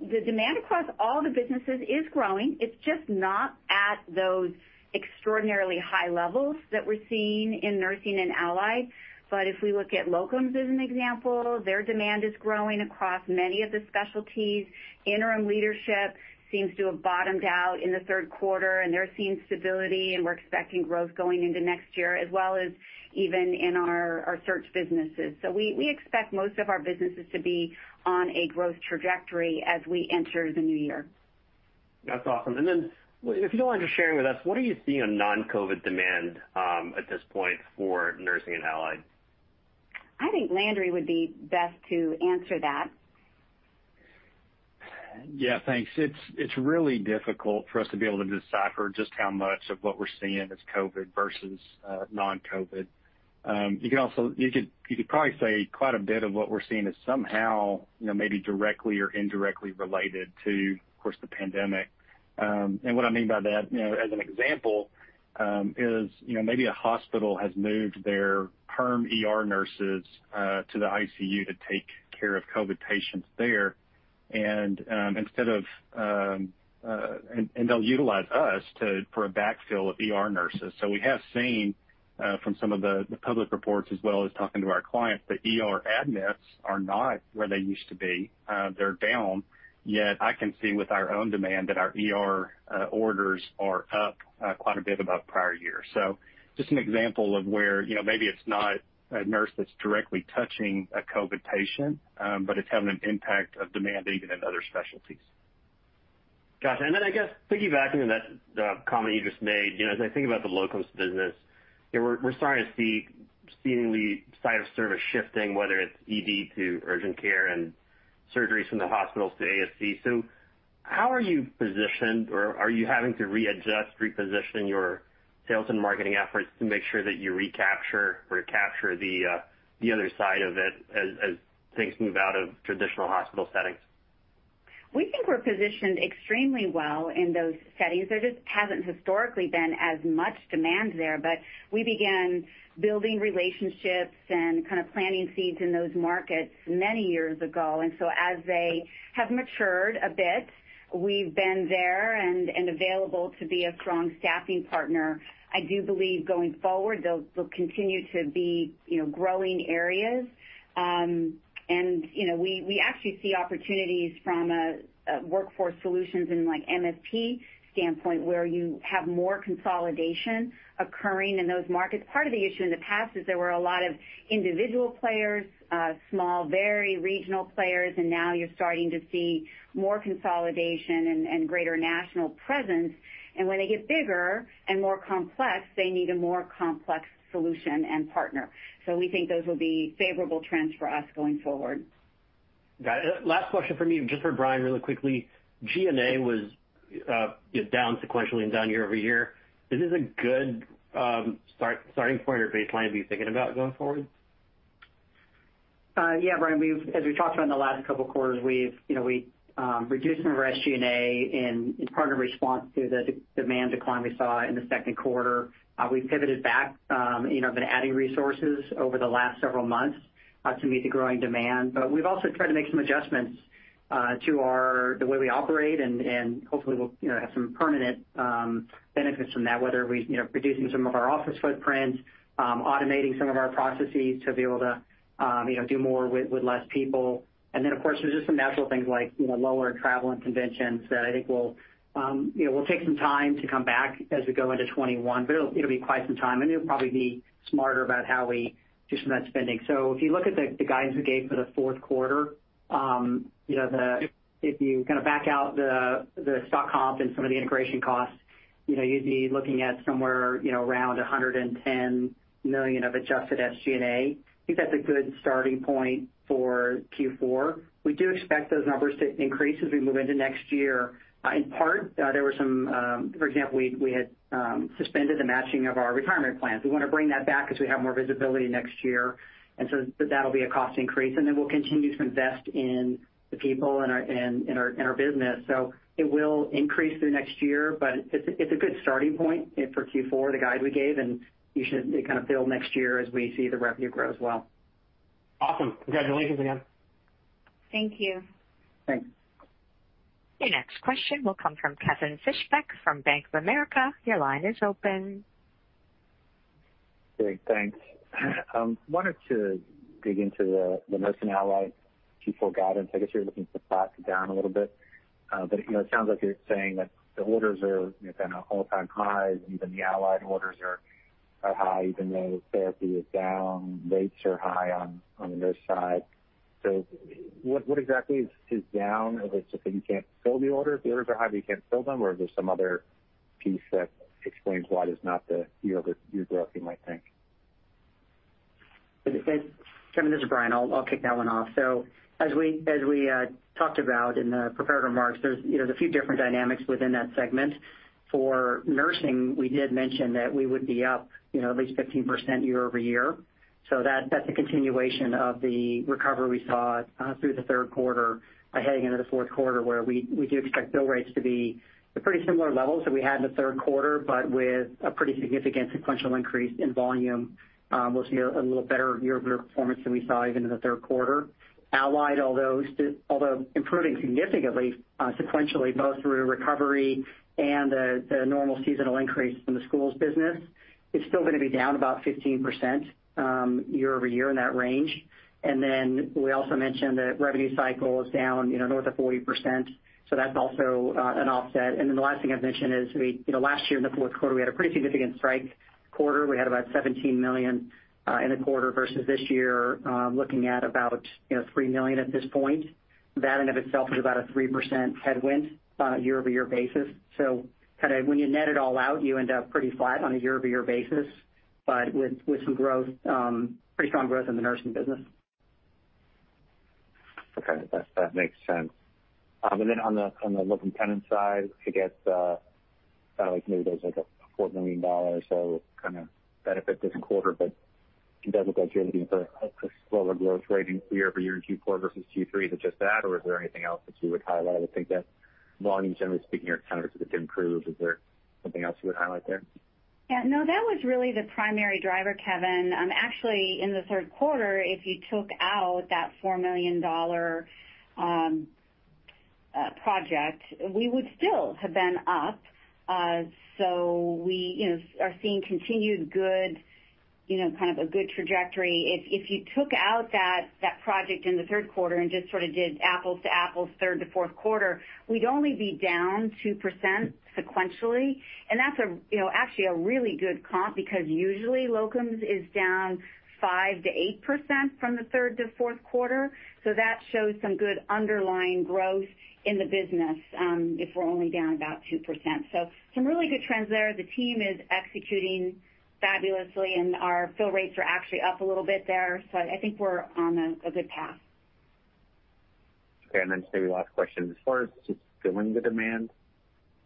the demand across all the businesses is growing. It's just not at those extraordinarily high levels that we're seeing in Nursing and Allied. If we look at Locums as an example, their demand is growing across many of the specialties. Interim Leadership seems to have bottomed out in the third quarter, and they're seeing stability, and we're expecting growth going into next year, as well as even in our search businesses. We expect most of our businesses to be on a growth trajectory as we enter the new year. That's awesome. If you don't mind just sharing with us, what are you seeing on non-COVID demand at this point for Nursing and Allied? I think Landry would be best to answer that. Yeah, thanks. It's really difficult for us to be able to decipher just how much of what we're seeing is COVID versus non-COVID. You could probably say quite a bit of what we're seeing is somehow maybe directly or indirectly related to, of course, the pandemic. What I mean by that, as an example, is maybe a hospital has moved their perm ER nurses to the ICU to take care of COVID patients there, and they'll utilize us for a backfill of ER nurses. We have seen from some of the public reports, as well as talking to our clients, the ER admits are not where they used to be. They're down, yet I can see with our own demand that our ER orders are up quite a bit above prior year. Just an example of where maybe it's not a nurse that's directly touching a COVID patient, but it's having an impact of demand even in other specialties. Gotcha. I guess piggybacking on that comment you just made, as I think about the Locums business, we're starting to see seemingly site of service shifting, whether it's ED to urgent care and surgeries from the hospitals to ASC. How are you positioned, or are you having to readjust, reposition your sales and marketing efforts to make sure that you recapture the other side of it as things move out of traditional hospital settings? We think we're positioned extremely well in those settings. There just hasn't historically been as much demand there, but we began building relationships and kind of planting seeds in those markets many years ago. As they have matured a bit, we've been there and available to be a strong staffing partner. I do believe going forward, they'll continue to be growing areas. We actually see opportunities from a workforce solutions in like MSP standpoint, where you have more consolidation occurring in those markets. Part of the issue in the past is there were a lot of individual players, small, very regional players, and now you're starting to see more consolidation and greater national presence. When they get bigger and more complex, they need a more complex solution and partner. We think those will be favorable trends for us going forward. Got it. Last question from me, just for Brian really quickly. G&A was down sequentially and down year-over-year. Is this a good starting point or baseline to be thinking about going forward? Brian, as we've talked about in the last couple of quarters, we've reduced some of our SG&A in part in response to the demand decline we saw in the second quarter. We've pivoted back, been adding resources over the last several months to meet the growing demand. We've also tried to make some adjustments to the way we operate and hopefully, we'll have some permanent benefits from that, whether we're reducing some of our office footprints, automating some of our processes to be able to do more with less people. Of course, there's just some natural things like lower travel and conventions that I think will take some time to come back as we go into 2021. It'll be quite some time, and we'll probably be smarter about how we do some of that spending. If you look at the guidance we gave for the fourth quarter, if you kind of back out the stock comp and some of the integration costs, you'd be looking at somewhere around $110 million of adjusted SG&A. I think that's a good starting point for Q4. We do expect those numbers to increase as we move into next year. In part, for example, we had suspended the matching of our retirement plans. We want to bring that back as we have more visibility next year. That'll be a cost increase, and then we'll continue to invest in the people in our business. It will increase through next year, but it's a good starting point for Q4, the guide we gave, and you should kind of build next year as we see the revenue grow as well. Awesome. Congratulations again. Thank you. Thanks. Your next question will come from Kevin Fischbeck from Bank of America. Your line is open. Great. Thanks. Wanted to dig into the Nurse and Allied Solutions Q4 guidance. I guess you're looking to clock down a little bit. It sounds like you're saying that the orders are at an all-time high, and even the Allied orders are high even though therapy is down, rates are high on the nurse side. What exactly is down? Is it just that you can't fill the order? If the orders are high, but you can't fill them, or is there some other piece that explains why there's not the year-over-year growth you might think? Kevin, this is Brian. I'll kick that one off. As we talked about in the prepared remarks, there's a few different dynamics within that segment. For nursing, we did mention that we would be up at least 15% year-over-year. That's a continuation of the recovery we saw through the third quarter heading into the fourth quarter, where we do expect bill rates to be at pretty similar levels that we had in the third quarter, but with a pretty significant sequential increase in volume. We'll see a little better year-over-year performance than we saw even in the third quarter. Allied, although improving significantly sequentially, both through recovery and the normal seasonal increase in the school's business, it's still going to be down about 15% year-over-year in that range. We also mentioned that revenue cycle is down north of 40%, that's also an offset. The last thing I'd mention is last year in the fourth quarter, we had a pretty significant strike quarter. We had about $17 million in the quarter versus this year, looking at about $3 million at this point. That in of itself is about a 3% headwind on a year-over-year basis. When you net it all out, you end up pretty flat on a year-over-year basis, but with some pretty strong growth in the nursing business. Okay. That makes sense. On the Locum Tenens side, I guess, maybe there's like a $4 million or so kind of benefit this quarter, it does look like you're looking for a slower growth rate in year-over-year in Q4 versus Q3. Is it just that, or is there anything else that you would highlight? I would think that volumes, generally speaking, are kind of to improve. Is there something else you would highlight there? Yeah. No, that was really the primary driver, Kevin. Actually, in the third quarter, if you took out that $4 million project, we would still have been up. We are seeing continued kind of a good trajectory. If you took out that project in the third quarter and just sort of did apples to apples, third to fourth quarter, we'd only be down 2% sequentially, and that's actually a really good comp because usually locums is down 5%-8% from the third to fourth quarter. That shows some good underlying growth in the business if we're only down about 2%. Some really good trends there. The team is executing fabulously, and our fill rates are actually up a little bit there, so I think we're on a good path. Okay. Then just maybe last question. As far as just filling the demand,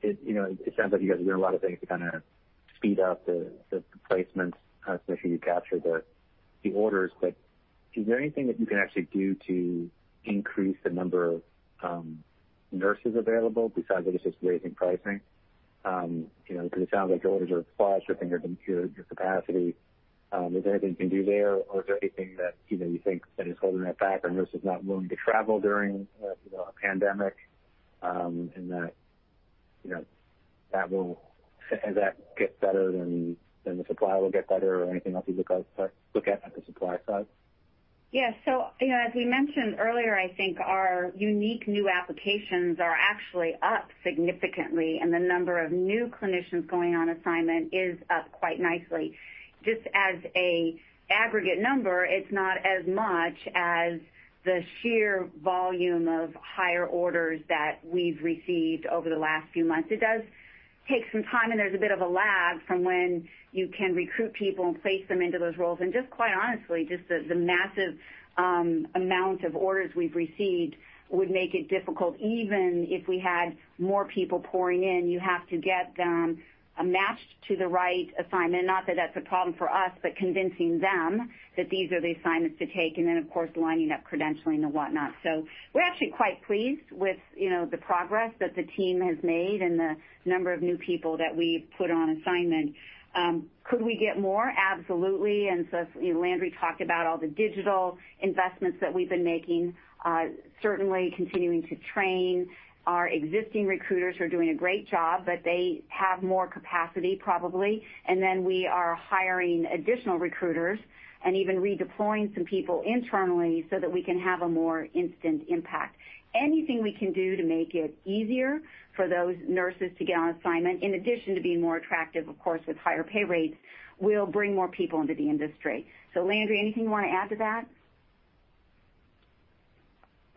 it sounds like you guys are doing a lot of things to kind of speed up the placements, to make sure you capture the orders, but is there anything that you can actually do to increase the number of nurses available besides just raising pricing? Because it sounds like your orders are far surpassing your capacity. Is there anything you can do there, or is there anything that you think that is holding that back? Are nurses not willing to travel during a pandemic, and that as that gets better, then the supply will get better, or anything else you look at on the supply side? Yeah. As we mentioned earlier, I think our unique new applications are actually up significantly, and the number of new clinicians going on assignment is up quite nicely. Just as an aggregate number, it's not as much as the sheer volume of higher orders that we've received over the last few months. It does take some time, and there's a bit of a lag from when you can recruit people and place them into those roles. Just quite honestly, just the massive amount of orders we've received would make it difficult even if we had more people pouring in. You have to get them matched to the right assignment. Not that that's a problem for us, but convincing them that these are the assignments to take, and then, of course, lining up credentialing and whatnot. We're actually quite pleased with the progress that the team has made and the number of new people that we've put on assignment. Could we get more? Absolutely. Landry talked about all the digital investments that we've been making. Certainly, continuing to train our existing recruiters who are doing a great job, but they have more capacity, probably. We are hiring additional recruiters and even redeploying some people internally so that we can have a more instant impact. Anything we can do to make it easier for those nurses to get on assignment, in addition to being more attractive, of course, with higher pay rates, will bring more people into the industry. Landry, anything you want to add to that?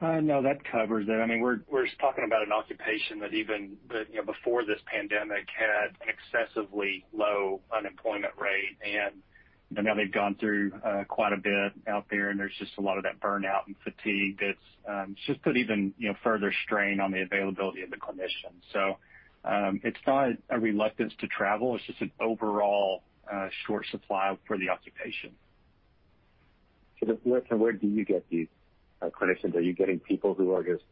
No, that covers it. We're just talking about an occupation that even before this pandemic had an excessively low unemployment rate, and now they've gone through quite a bit out there, and there's just a lot of that burnout and fatigue that's just put even further strain on the availability of the clinicians. It's not a reluctance to travel. It's just an overall short supply for the occupation. Where do you get these clinicians? Are you getting people who are just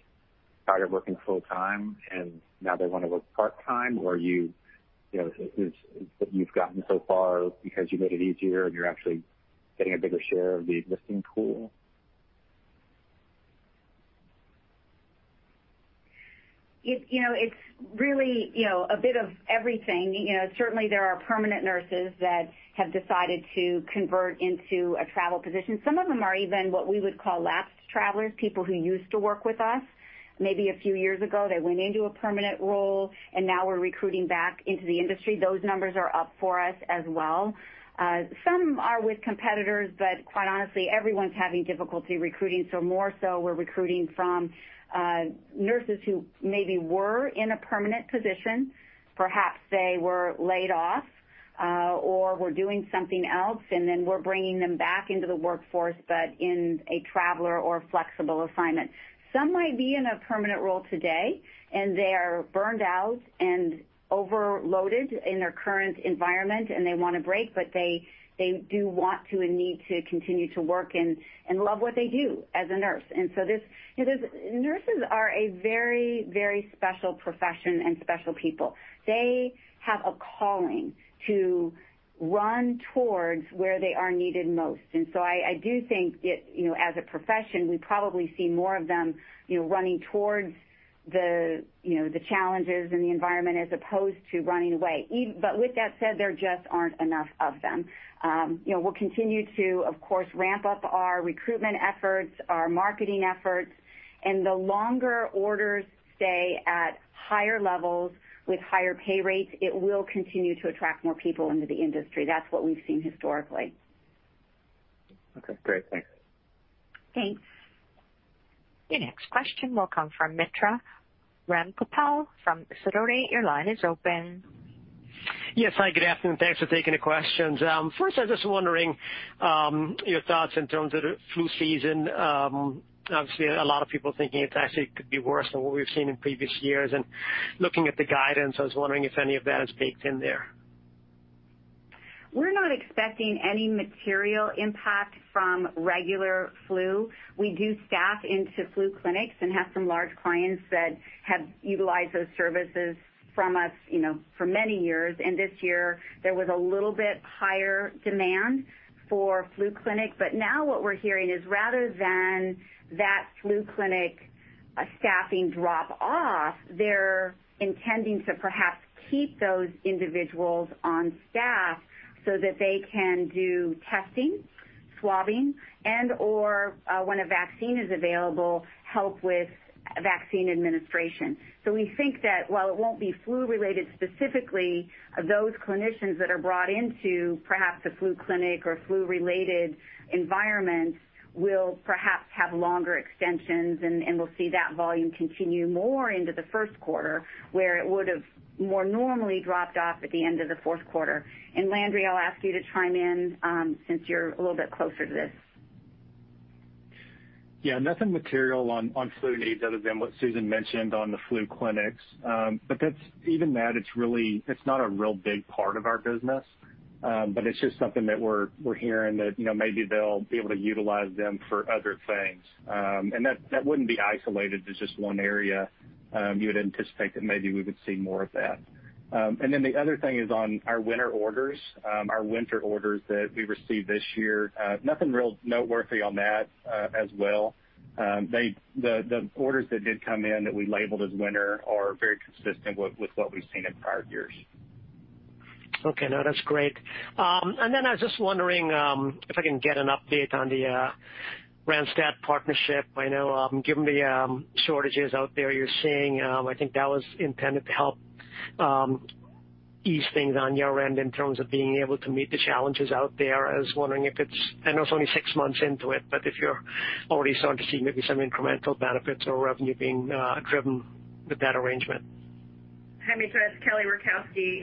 tired of working full-time, and now they want to work part-time? Or is it that you've gotten so far because you made it easier and you're actually getting a bigger share of the existing pool? It's really a bit of everything. Certainly, there are permanent nurses that have decided to convert into a travel position. Some of them are even what we would call lapsed travelers, people who used to work with us maybe a few years ago. They went into a permanent role, and now we're recruiting back into the industry. Those numbers are up for us as well. Some are with competitors, but quite honestly, everyone's having difficulty recruiting, so more so we're recruiting from nurses who maybe were in a permanent position. Perhaps they were laid off or were doing something else, and then we're bringing them back into the workforce, but in a traveler or flexible assignment. Some might be in a permanent role today, and they are burned out and overloaded in their current environment, and they want a break, but they do want to and need to continue to work and love what they do as a nurse. Nurses are a very, very special profession and special people. They have a calling to run towards where they are needed most. I do think, as a profession, we probably see more of them running towards the challenges and the environment as opposed to running away. With that said, there just aren't enough of them. We'll continue to, of course, ramp up our recruitment efforts, our marketing efforts, and the longer orders stay at higher levels with higher pay rates, it will continue to attract more people into the industry. That's what we've seen historically. Okay, great. Thanks. Thanks. Your next question will come from Mitra Ramgopal from Sidoti. Your line is open. Yes. Hi, good afternoon. Thanks for taking the questions. First, I was just wondering your thoughts in terms of the flu season. Obviously, a lot of people thinking it actually could be worse than what we've seen in previous years. Looking at the guidance, I was wondering if any of that is baked in there. We're not expecting any material impact from regular flu. We do staff into flu clinics and have some large clients that have utilized those services from us for many years. This year, there was a little bit higher demand for flu clinic. Now what we're hearing is rather than that flu clinic staffing drop off, they're intending to perhaps keep those individuals on staff so that they can do testing, swabbing, and/or when a vaccine is available, help with vaccine administration. We think that while it won't be flu related specifically, those clinicians that are brought into perhaps a flu clinic or flu-related environment will perhaps have longer extensions, and we'll see that volume continue more into the first quarter, where it would've more normally dropped off at the end of the fourth quarter. Landry, I'll ask you to chime in, since you're a little bit closer to this. Yeah. Nothing material on flu needs other than what Susan mentioned on the flu clinics. Even that, it's not a real big part of our business. It's just something that we're hearing that maybe they'll be able to utilize them for other things. That wouldn't be isolated to just one area you would anticipate that maybe we would see more of that. The other thing is on our winter orders. Our winter orders that we received this year, nothing real noteworthy on that as well. The orders that did come in that we labeled as winter are very consistent with what we've seen in prior years. Okay. No, that's great. I was just wondering if I can get an update on the Randstad partnership. I know, given the shortages out there you're seeing, I think that was intended to help ease things on your end in terms of being able to meet the challenges out there. I was wondering if it's, I know it's only six months into it, but if you're already starting to see maybe some incremental benefits or revenue being driven with that arrangement. Henry, that's Kelly Rukowski.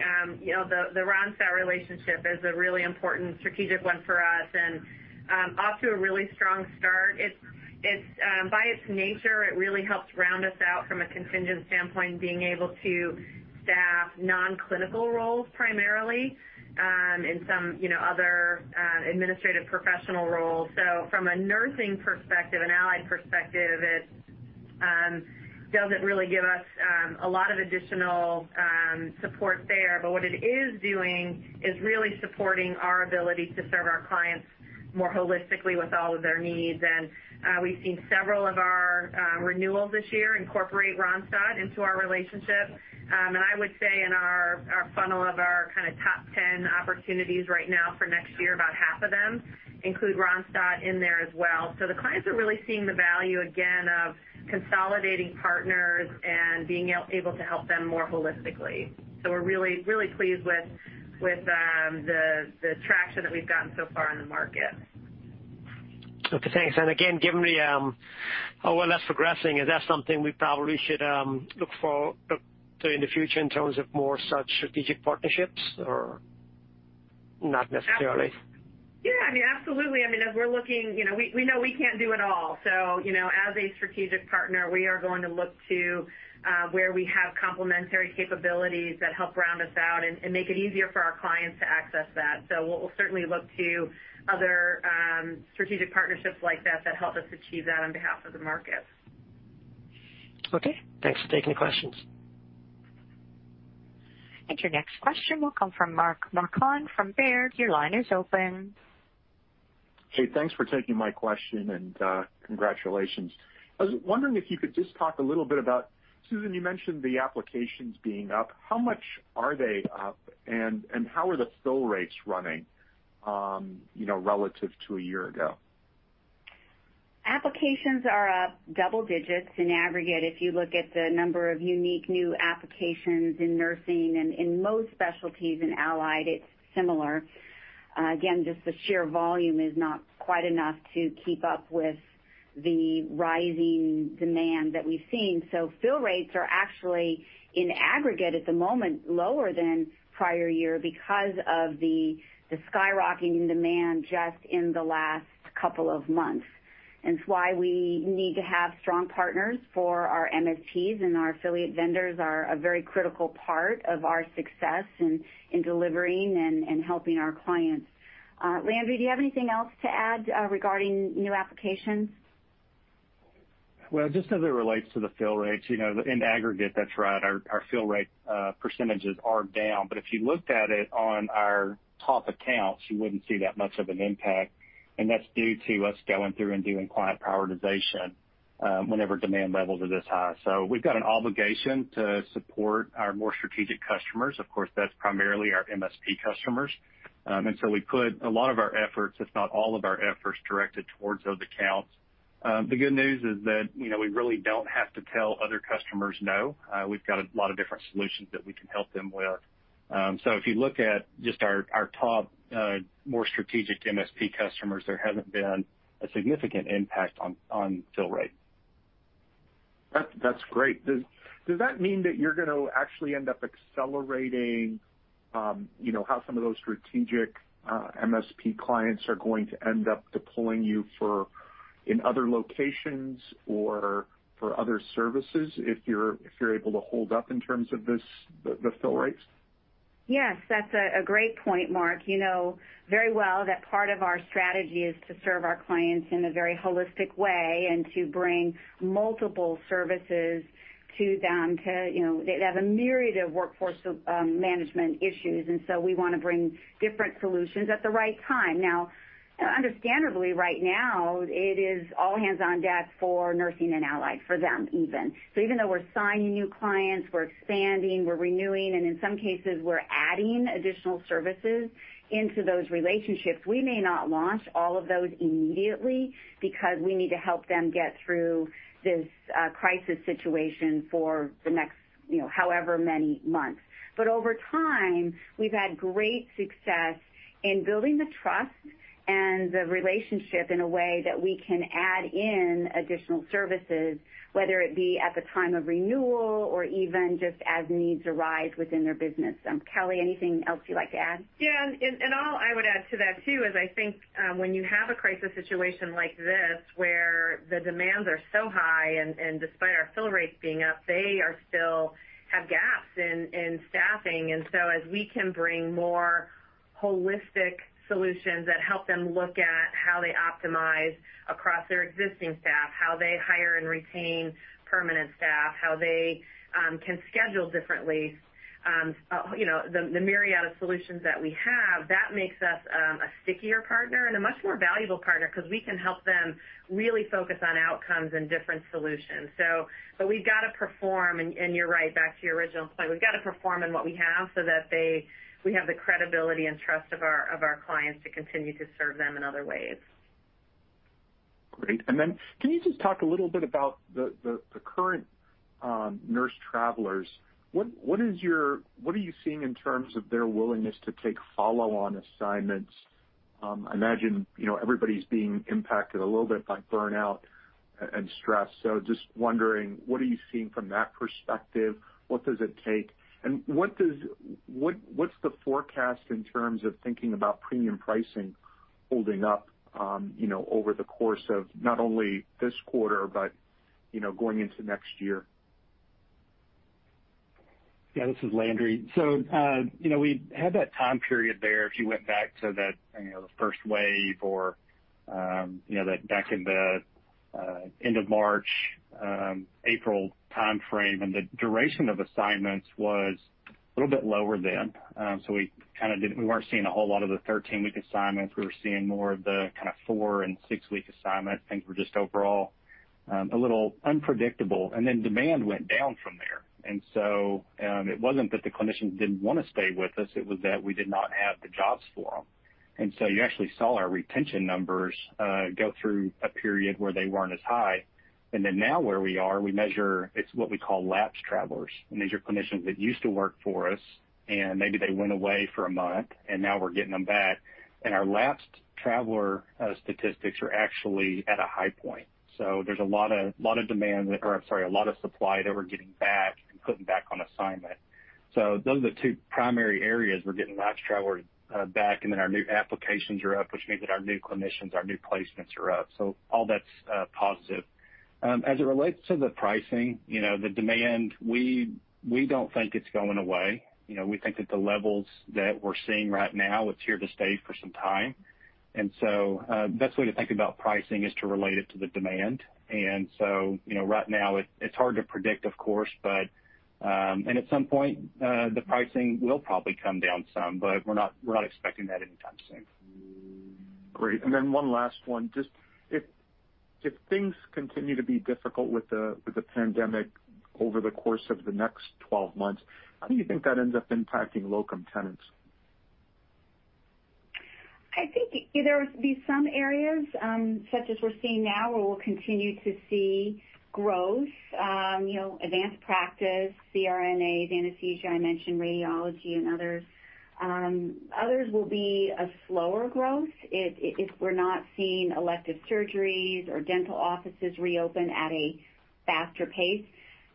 The Randstad relationship is a really important strategic one for us and off to a really strong start. By its nature, it really helps round us out from a contingent standpoint, being able to staff non-clinical roles primarily, and some other administrative professional roles. From a nursing perspective and allied perspective, it doesn't really give us a lot of additional support there. What it is doing is really supporting our ability to serve our clients more holistically with all of their needs. We've seen several of our renewals this year incorporate Randstad into our relationship. I would say in our funnel of our kind of top 10 opportunities right now for next year, about half of them include Randstad in there as well. The clients are really seeing the value again of consolidating partners and being able to help them more holistically. We're really pleased with the traction that we've gotten so far in the market. Okay, thanks. Again, well, that's progressing, is that something we probably should look for in the future, in terms of more such strategic partnerships or not necessarily? Yeah. I mean, absolutely. I mean, as we're looking, we know we can't do it all. As a strategic partner, we are going to look to where we have complementary capabilities that help round us out and make it easier for our clients to access that. We'll certainly look to other strategic partnerships like that help us achieve that on behalf of the market. Okay. Thanks for taking the questions. Your next question will come from Mark Marcon from Baird. Your line is open. Hey, thanks for taking my question, and congratulations. I was wondering if you could just talk a little bit about, Susan, you mentioned the applications being up. How much are they up, and how are the fill rates running relative to a year ago? Applications are up double digits in aggregate. If you look at the number of unique new applications in nursing and in most specialties in allied, it's similar. Again, just the sheer volume is not quite enough to keep up with the rising demand that we've seen. Fill rates are actually, in aggregate at the moment, lower than prior year because of the skyrocketing demand just in the last couple of months. It's why we need to have strong partners for our MSPs, and our affiliate vendors are a very critical part of our success in delivering and helping our clients. Landry, do you have anything else to add regarding new applications? Well, just as it relates to the fill rates. In aggregate, that's right, our fill rate percentages are down. If you looked at it on our top accounts, you wouldn't see that much of an impact, and that's due to us going through and doing client prioritization whenever demand levels are this high. We've got an obligation to support our more strategic customers. Of course, that's primarily our MSP customers. We put a lot of our efforts, if not all of our efforts, directed towards those accounts. The good news is that we really don't have to tell other customers no. We've got a lot of different solutions that we can help them with. If you look at just our top, more strategic MSP customers, there hasn't been a significant impact on fill rate. That's great. Does that mean that you're going to actually end up accelerating how some of those strategic MSP clients are going to end up deploying you in other locations or for other services if you're able to hold up in terms of the fill rates? Yes, that's a great point, Mark. You know very well that part of our strategy is to serve our clients in a very holistic way and to bring multiple services to them. They have a myriad of workforce management issues. We want to bring different solutions at the right time. Now, understandably, right now, it is all hands on deck for Nursing and Allied, for them even. Even though we're signing new clients, we're expanding, we're renewing, and in some cases, we're adding additional services into those relationships, we may not launch all of those immediately because we need to help them get through this crisis situation for the next however many months. Over time, we've had great success in building the trust and the relationship in a way that we can add in additional services, whether it be at the time of renewal or even just as needs arise within their business. Kelly, anything else you'd like to add? All I would add to that too is I think when you have a crisis situation like this where the demands are so high and despite our fill rates being up, they still have gaps in staffing. As we can bring more holistic solutions that help them look at how they optimize across their existing staff, how they hire and retain permanent staff, how they can schedule differently, the myriad of solutions that we have, that makes us a stickier partner and a much more valuable partner because we can help them really focus on outcomes and different solutions. We've got to perform, and you're right, back to your original point. We've got to perform in what we have so that we have the credibility and trust of our clients to continue to serve them in other ways. Great. Then, can you just talk a little bit about the current nurse travelers? What are you seeing in terms of their willingness to take follow-on assignments? I imagine everybody's being impacted a little bit by burnout and stress. Just wondering, what are you seeing from that perspective? What does it take, and what's the forecast in terms of thinking about premium pricing holding up over the course of not only this quarter but going into next year? Yeah, this is Landry. We had that time period there, if you went back to the first wave or back in the end of March, April timeframe, and the duration of assignments was a little bit lower then. We weren't seeing a whole lot of the 13-week assignments. We were seeing more of the kind of four and six-week assignments. Things were just overall a little unpredictable. Demand went down from there. It wasn't that the clinicians didn't want to stay with us, it was that we did not have the jobs for them. You actually saw our retention numbers go through a period where they weren't as high. Now, where we are, we measure what we call lapsed travelers, and these are clinicians that used to work for us, and maybe they went away for a month, and now we're getting them back. Our lapsed traveler statistics are actually at a high point. There's a lot of supply that we're getting back and putting back on assignment. Those are the two primary areas. We're getting lapsed travelers back, and then our new applications are up, which means that our new clinicians, our new placements are up. All that's positive. As it relates to the pricing, the demand, we don't think it's going away. We think that the levels that we're seeing right now, it's here to stay for some time. The best way to think about pricing is to relate it to the demand. Right now, it's hard to predict, of course. At some point, the pricing will probably come down some, but we're not expecting that anytime soon. Great. One last one. Just if things continue to be difficult with the pandemic over the course of the next 12 months, how do you think that ends up impacting Locum Tenens? I think there would be some areas, such as we're seeing now or we'll continue to see growth. Advanced practice, CRNA, anesthesia, I mentioned radiology and others. Others will be a slower growth if we're not seeing elective surgeries or dental offices reopen at a faster pace.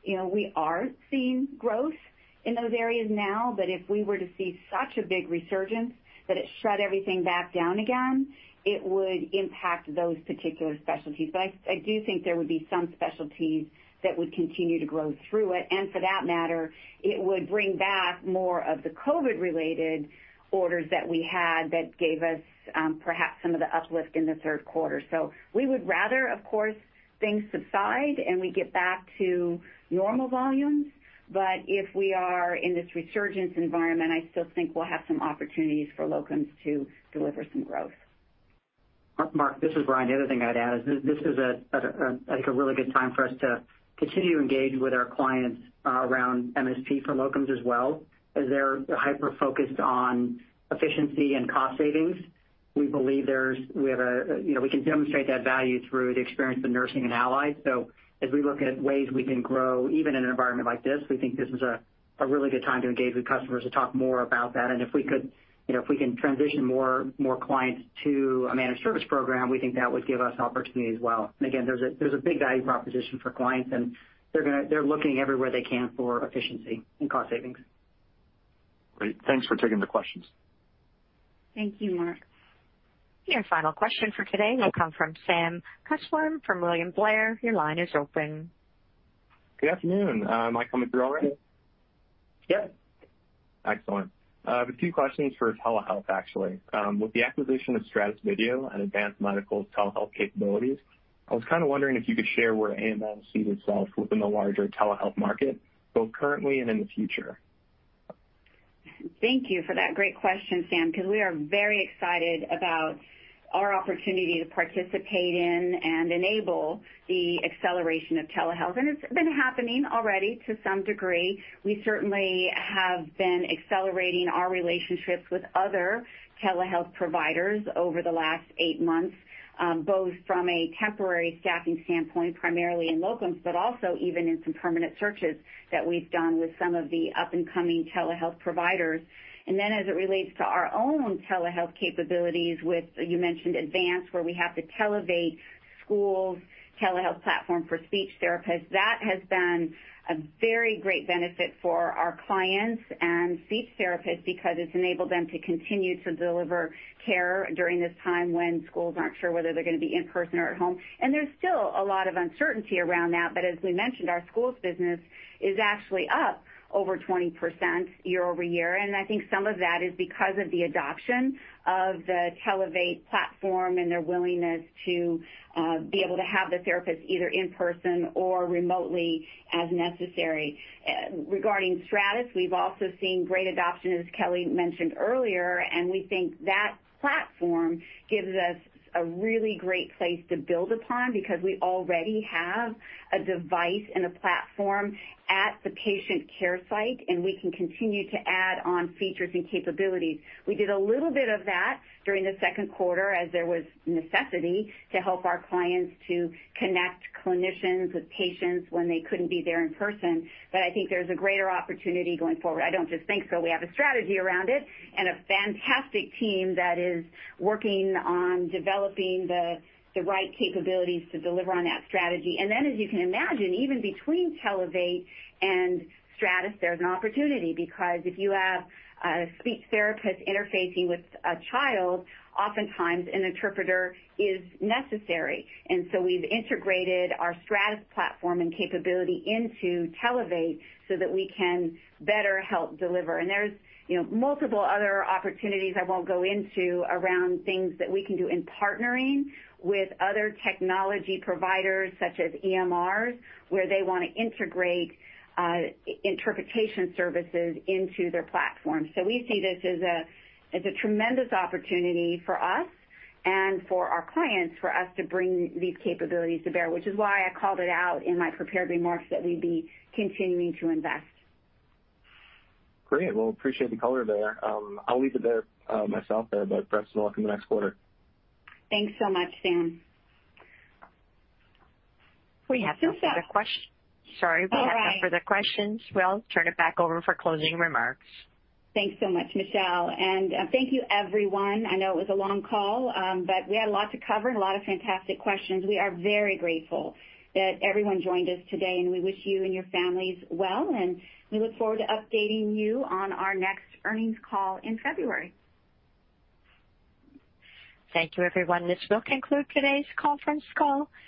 We are seeing growth in those areas now. If we were to see such a big resurgence that it shut everything back down again, it would impact those particular specialties. I do think there would be some specialties that would continue to grow through it, and for that matter, it would bring back more of the COVID-related orders that we had that gave us perhaps some of the uplift in the third quarter. We would rather, of course, things subside and we get back to normal volumes. If we are in this resurgence environment, I still think we'll have some opportunities for locums to deliver some growth. Mark, this is Brian. The other thing I'd add is this is a really good time for us to continue to engage with our clients around MSP for locums as well, as they're hyper-focused on efficiency and cost savings. We can demonstrate that value through the experience of Nursing and Allied. As we look at ways we can grow, even in an environment like this, we think this is a really good time to engage with customers to talk more about that. If we can transition more clients to a managed service program, we think that would give us an opportunity as well. Again, there's a big value proposition for clients, and they're looking everywhere they can for efficiency and cost savings. Great. Thanks for taking the questions. Thank you, Mark. Your final question for today will come from Sam Kushner from William Blair. Your line is open. Good afternoon. Am I coming through all right? Yes. Excellent. I have a few questions for telehealth, actually. With the acquisition of Stratus Video and Advanced Medical's telehealth capabilities, I was kind of wondering if you could share where AMN sees itself within the larger telehealth market, both currently and in the future. Thank you for that great question, Sam, because we are very excited about our opportunity to participate in and enable the acceleration of telehealth. It's been happening already to some degree. We certainly have been accelerating our relationships with other telehealth providers over the last eight months, both from a temporary staffing standpoint, primarily in locums, but also even in some permanent searches that we've done with some of the up-and-coming telehealth providers. As it relates to our own telehealth capabilities with, you mentioned Televate, where we have the Televate schools telehealth platform for speech therapists. That has been a very great benefit for our clients and speech therapists because it's enabled them to continue to deliver care during this time when schools aren't sure whether they're going to be in person or at home. There's still a lot of uncertainty around that. As we mentioned, our schools business is actually up over 20% year-over-year. I think some of that is because of the adoption of the Televate platform and their willingness to be able to have the therapist either in person or remotely as necessary. Regarding Stratus, we've also seen great adoption, as Kelly mentioned earlier. We think that platform gives us a really great place to build upon because we already have a device and a platform at the patient care site, and we can continue to add on features and capabilities. We did a little bit of that during the second quarter as there was necessity to help our clients to connect clinicians with patients when they couldn't be there in person. I think there's a greater opportunity going forward. I don't just think so. We have a strategy around it and a fantastic team that is working on developing the right capabilities to deliver on that strategy. As you can imagine, even between Televate and Stratus, there's an opportunity because if you have a speech therapist interfacing with a child, oftentimes an interpreter is necessary. We've integrated our Stratus platform and capability into Televate so that we can better help deliver. There's multiple other opportunities I won't go into around things that we can do in partnering with other technology providers, such as EMRs, where they want to integrate interpretation services into their platform. We see this as a tremendous opportunity for us and for our clients, for us to bring these capabilities to bear, which is why I called it out in my prepared remarks that we'd be continuing to invest. Great. Well, appreciate the color there. I'll leave it there myself there, but perhaps we'll talk in the next quarter. Thanks so much, Sam. We have no further questions. All right. Sorry. We have no further questions. We'll turn it back over for closing remarks. Thanks so much, Michelle. Thank you, everyone. I know it was a long call, but we had a lot to cover and a lot of fantastic questions. We are very grateful that everyone joined us today, and we wish you and your families well. We look forward to updating you on our next earnings call in February. Thank you, everyone. This will conclude today's conference call.